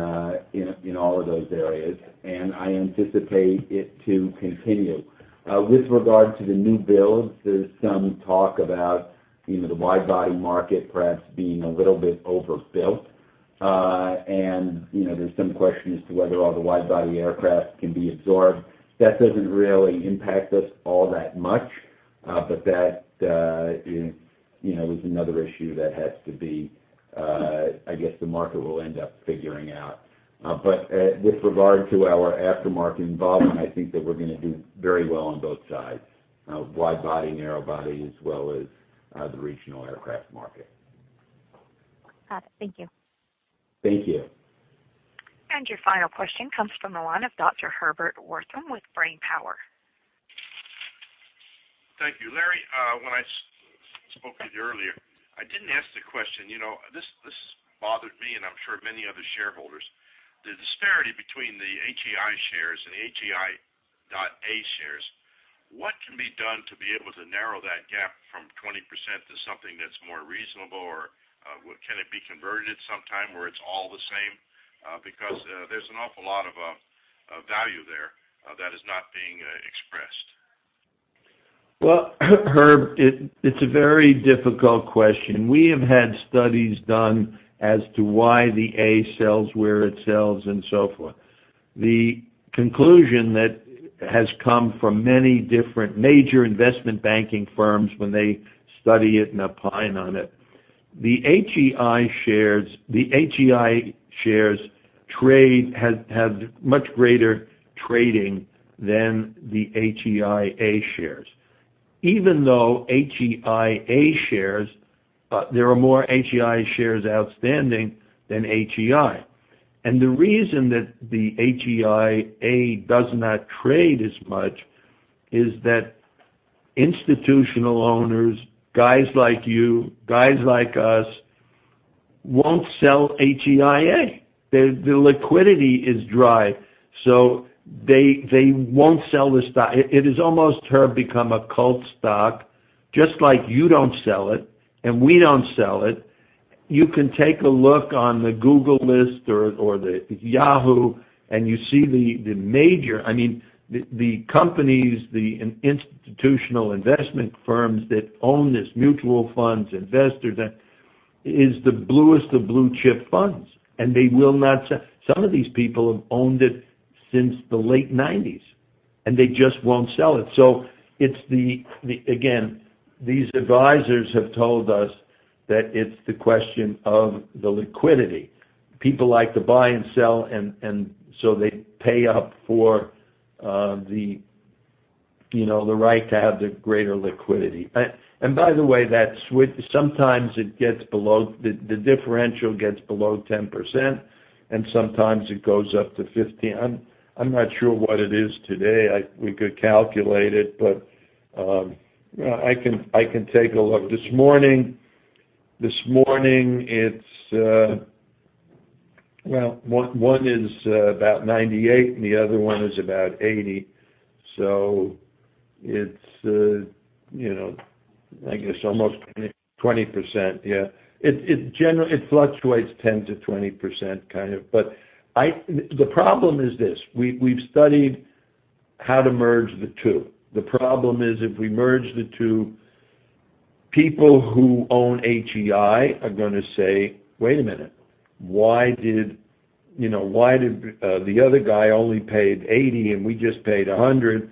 all of those areas, and I anticipate it to continue. With regard to the new builds, there's some talk about the wide-body market perhaps being a little bit overbuilt. There's some question as to whether all the wide-body aircraft can be absorbed. That doesn't really impact us all that much. That is another issue that I guess the market will end up figuring out. With regard to our aftermarket involvement, I think that we're going to do very well on both sides, wide body, narrow body, as well as the regional aircraft market. Got it. Thank you. Thank you. Your final question comes from the line of Dr. Herbert Wertheim with Brain Power. Thank you. Larry, when I spoke with you earlier, I didn't ask the question. This bothered me and I'm sure many other shareholders. The disparity between the HEI shares and HEI.A shares, what can be done to be able to narrow that gap from 20% to something that's more reasonable? Can it be converted sometime where it's all the same? There's an awful lot of value there that is not being expressed. Well, Herb, it's a very difficult question. We have had studies done as to why the A sells where it sells and so forth. The conclusion that has come from many different major investment banking firms when they study it and opine on it, the HEI shares trade has much greater trading than the HEIA shares. Even though there are more HEI shares outstanding than HEI.A. The reason that the HEIA does not trade as much is that institutional owners, guys like you, guys like us, won't sell HEIA. The liquidity is dry, so they won't sell the stock. It has almost become a cult stock, just like you don't sell it, and we don't sell it. You can take a look on the Google list or the Yahoo, you see the major companies, the institutional investment firms that own this, mutual funds, investors, that is the bluest of blue chip funds, they will not sell. Some of these people have owned it since the late '90s, they just won't sell it. Again, these advisors have told us that it's the question of the liquidity. People like to buy and sell, they pay up for the right to have the greater liquidity. By the way, that switch, sometimes the differential gets below 10%, and sometimes it goes up to 15. I'm not sure what it is today. We could calculate it, but I can take a look. This morning, one is about 98, and the other one is about 80. It's, I guess, almost 20%. Yeah. It fluctuates 10%-20%, kind of. The problem is this. We've studied how to merge the two. The problem is, if we merge the two, people who own HEI are going to say, "Wait a minute, the other guy only paid 80, and we just paid 100.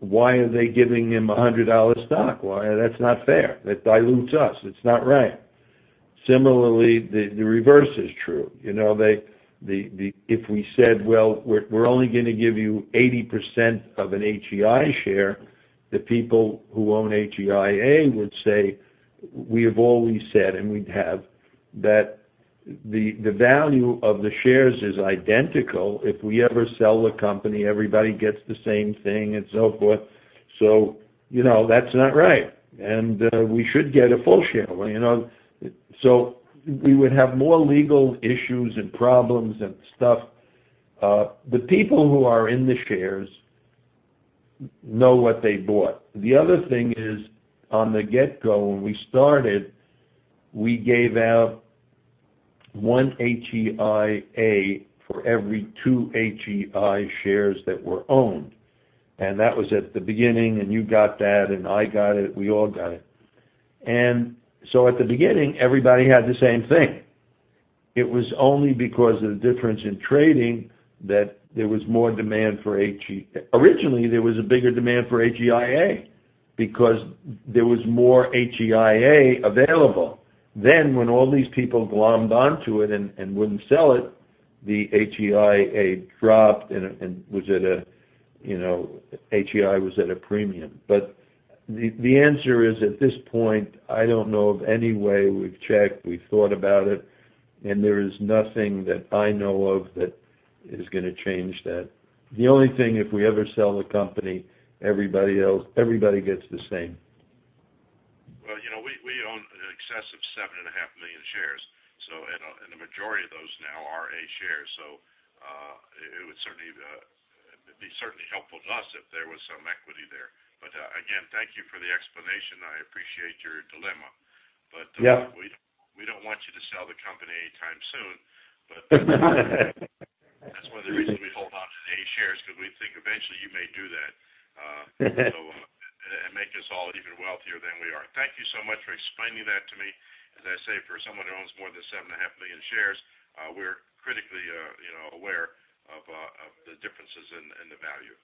Why are they giving him $100 stock? That's not fair. That dilutes us. It's not right." Similarly, the reverse is true. If we said, "Well, we're only going to give you 80% of an HEI share," the people who own HEIA would say, "We have always said, and we have, that the value of the shares is identical. If we ever sell the company, everybody gets the same thing and so forth. That's not right, and we should get a full share." We would have more legal issues and problems and stuff. The people who are in the shares know what they bought. The other thing is, on the get-go, when we started, we gave out one HEIA for every two HEI shares that were owned, and that was at the beginning, and you got that, and I got it. We all got it. At the beginning, everybody had the same thing. It was only because of the difference in trading that there was more demand for HEIA because there was more HEIA available. When all these people glommed onto it and wouldn't sell it, the HEIA dropped, and HEI was at a premium. The answer is, at this point, I don't know of any way. We've checked, we've thought about it, and there is nothing that I know of that is going to change that. The only thing, if we ever sell the company, everybody gets the same. We own an excess of seven and a half million shares, and the majority of those now are A shares, it would be certainly helpful to us if there was some equity there. Again, thank you for the explanation. I appreciate your dilemma. Yeah. We don't want you to sell the company anytime soon. That's one of the reasons we hold onto A shares, because we think eventually you may do that. Make us all even wealthier than we are. Thank you so much for explaining that to me. As I say, for someone who owns more than seven and a half million shares, we're critically aware of the differences in the value.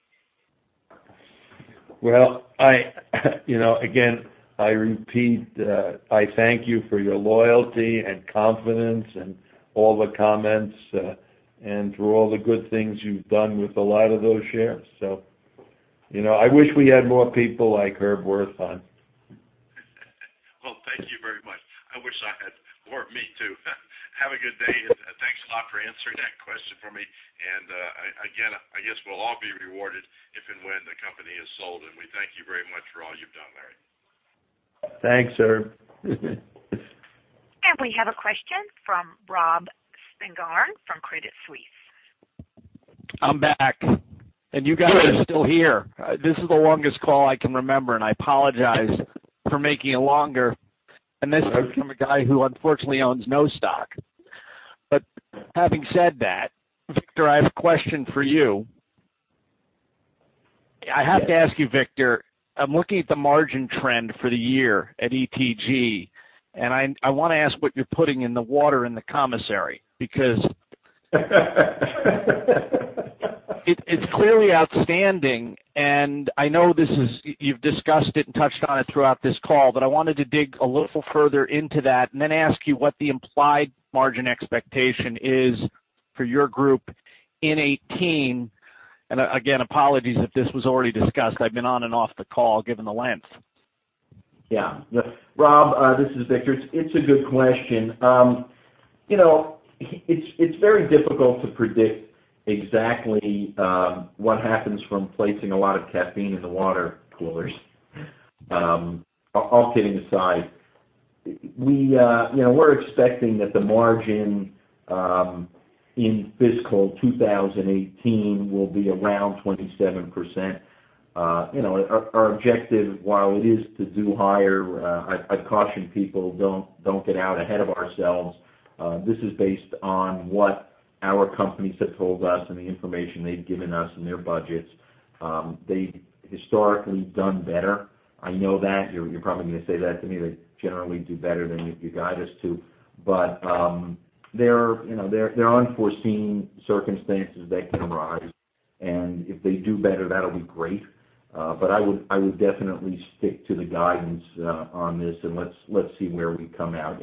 Well, again, I repeat, I thank you for your loyalty and confidence and all the comments and for all the good things you've done with a lot of those shares. I wish we had more people like Herb Wertheim on. Well, thank you very much. I wish I had more of me, too. Have a good day, and thanks a lot for answering that question for me. Again, I guess we'll all be rewarded if and when the company is sold. We thank you very much for all you've done, Larry. Thanks, Herb. We have a question from Robert Spingarn from Credit Suisse. I'm back, and you guys are still here. This is the longest call I can remember, and I apologize for making it longer, and this is from a guy who unfortunately owns no stock. Having said that, Victor, I have a question for you. I have to ask you, Victor, I'm looking at the margin trend for the year at ETG, and I want to ask what you're putting in the water in the commissary, because it's clearly outstanding. I know you've discussed it and touched on it throughout this call, I wanted to dig a little further into that and then ask you what the implied margin expectation is for your group in 2018. Again, apologies if this was already discussed. I've been on and off the call, given the length. Rob, this is Victor. It's a good question. It's very difficult to predict exactly what happens from placing a lot of caffeine in the water coolers. All kidding aside, we're expecting that the margin in fiscal 2018 will be around 27%. Our objective, while it is to do higher, I'd caution people, don't get out ahead of ourselves. This is based on what our companies have told us and the information they've given us and their budgets. They've historically done better. I know that. You're probably going to say that to me. They generally do better than you guide us to. There are unforeseen circumstances that can arise, and if they do better, that will be great. I would definitely stick to the guidance on this, and let's see where we come out.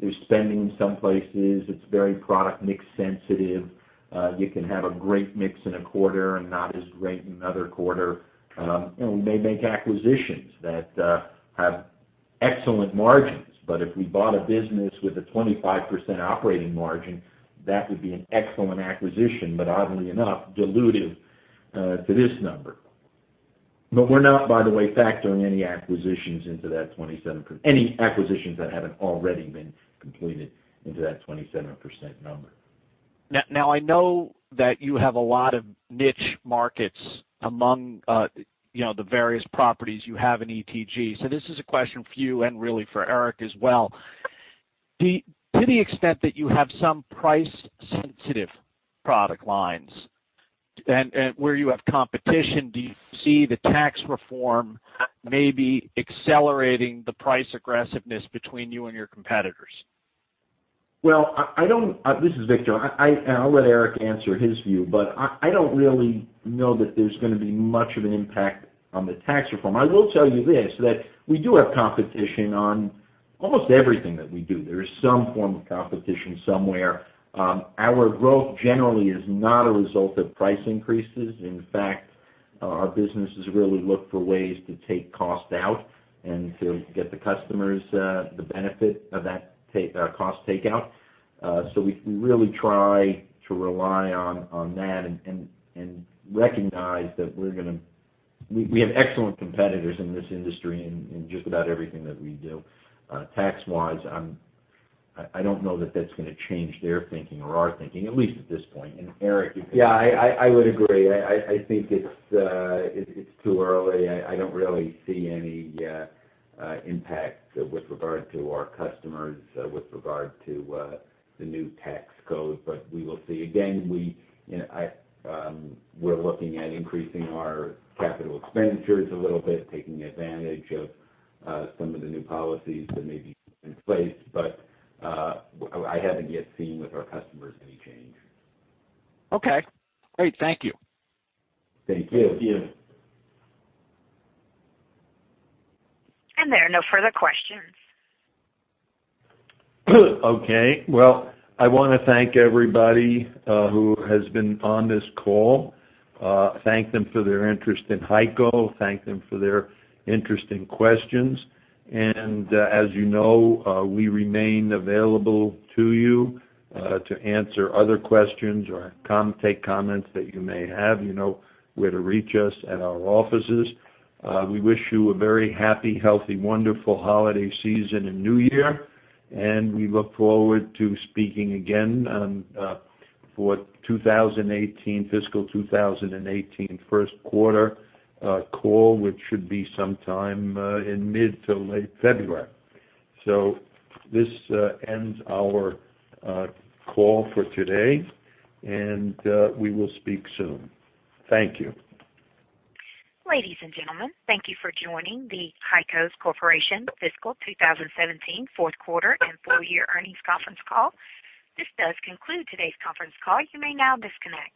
There's spending in some places. It's very product mix sensitive. You can have a great mix in a quarter and not as great in another quarter. We may make acquisitions that have excellent margins, but if we bought a business with a 25% operating margin, that would be an excellent acquisition, but oddly enough, dilutive to this number. We're not, by the way, factoring any acquisitions into that 27, any acquisitions that haven't already been completed into that 27% number. I know that you have a lot of niche markets among the various properties you have in ETG. This is a question for you and really for Eric as well. To the extent that you have some price-sensitive product lines and where you have competition, do you see the tax reform maybe accelerating the price aggressiveness between you and your competitors? This is Victor. I'll let Eric answer his view, but I don't really know that there's going to be much of an impact on the tax reform. I will tell you this, that we do have competition on almost everything that we do. There is some form of competition somewhere. Our growth generally is not a result of price increases. In fact, our businesses really look for ways to take cost out and to get the customers the benefit of that cost takeout. We really try to rely on that and recognize that we have excellent competitors in this industry in just about everything that we do. Tax-wise, I don't know that that's going to change their thinking or our thinking, at least at this point. Eric, you can- I would agree. I think it's too early. I don't really see any impact with regard to our customers, with regard to the new tax code. We will see. Again, we're looking at increasing our Capital Expenditures a little bit, taking advantage of some of the new policies that may be in place. I haven't yet seen with our customers any change. Okay, great. Thank you. Thank you. Thank you. There are no further questions. Okay. Well, I want to thank everybody who has been on this call, thank them for their interest in HEICO, thank them for their interesting questions. As you know, we remain available to you, to answer other questions or take comments that you may have. You know where to reach us at our offices. We wish you a very happy, healthy, wonderful holiday season and New Year, we look forward to speaking again for 2018, fiscal 2018 first quarter call, which should be sometime in mid to late February. This ends our call for today, and we will speak soon. Thank you. Ladies and gentlemen, thank you for joining the HEICO Corporation Fiscal 2017 Fourth Quarter and Full Year Earnings Conference Call. This does conclude today's conference call. You may now disconnect.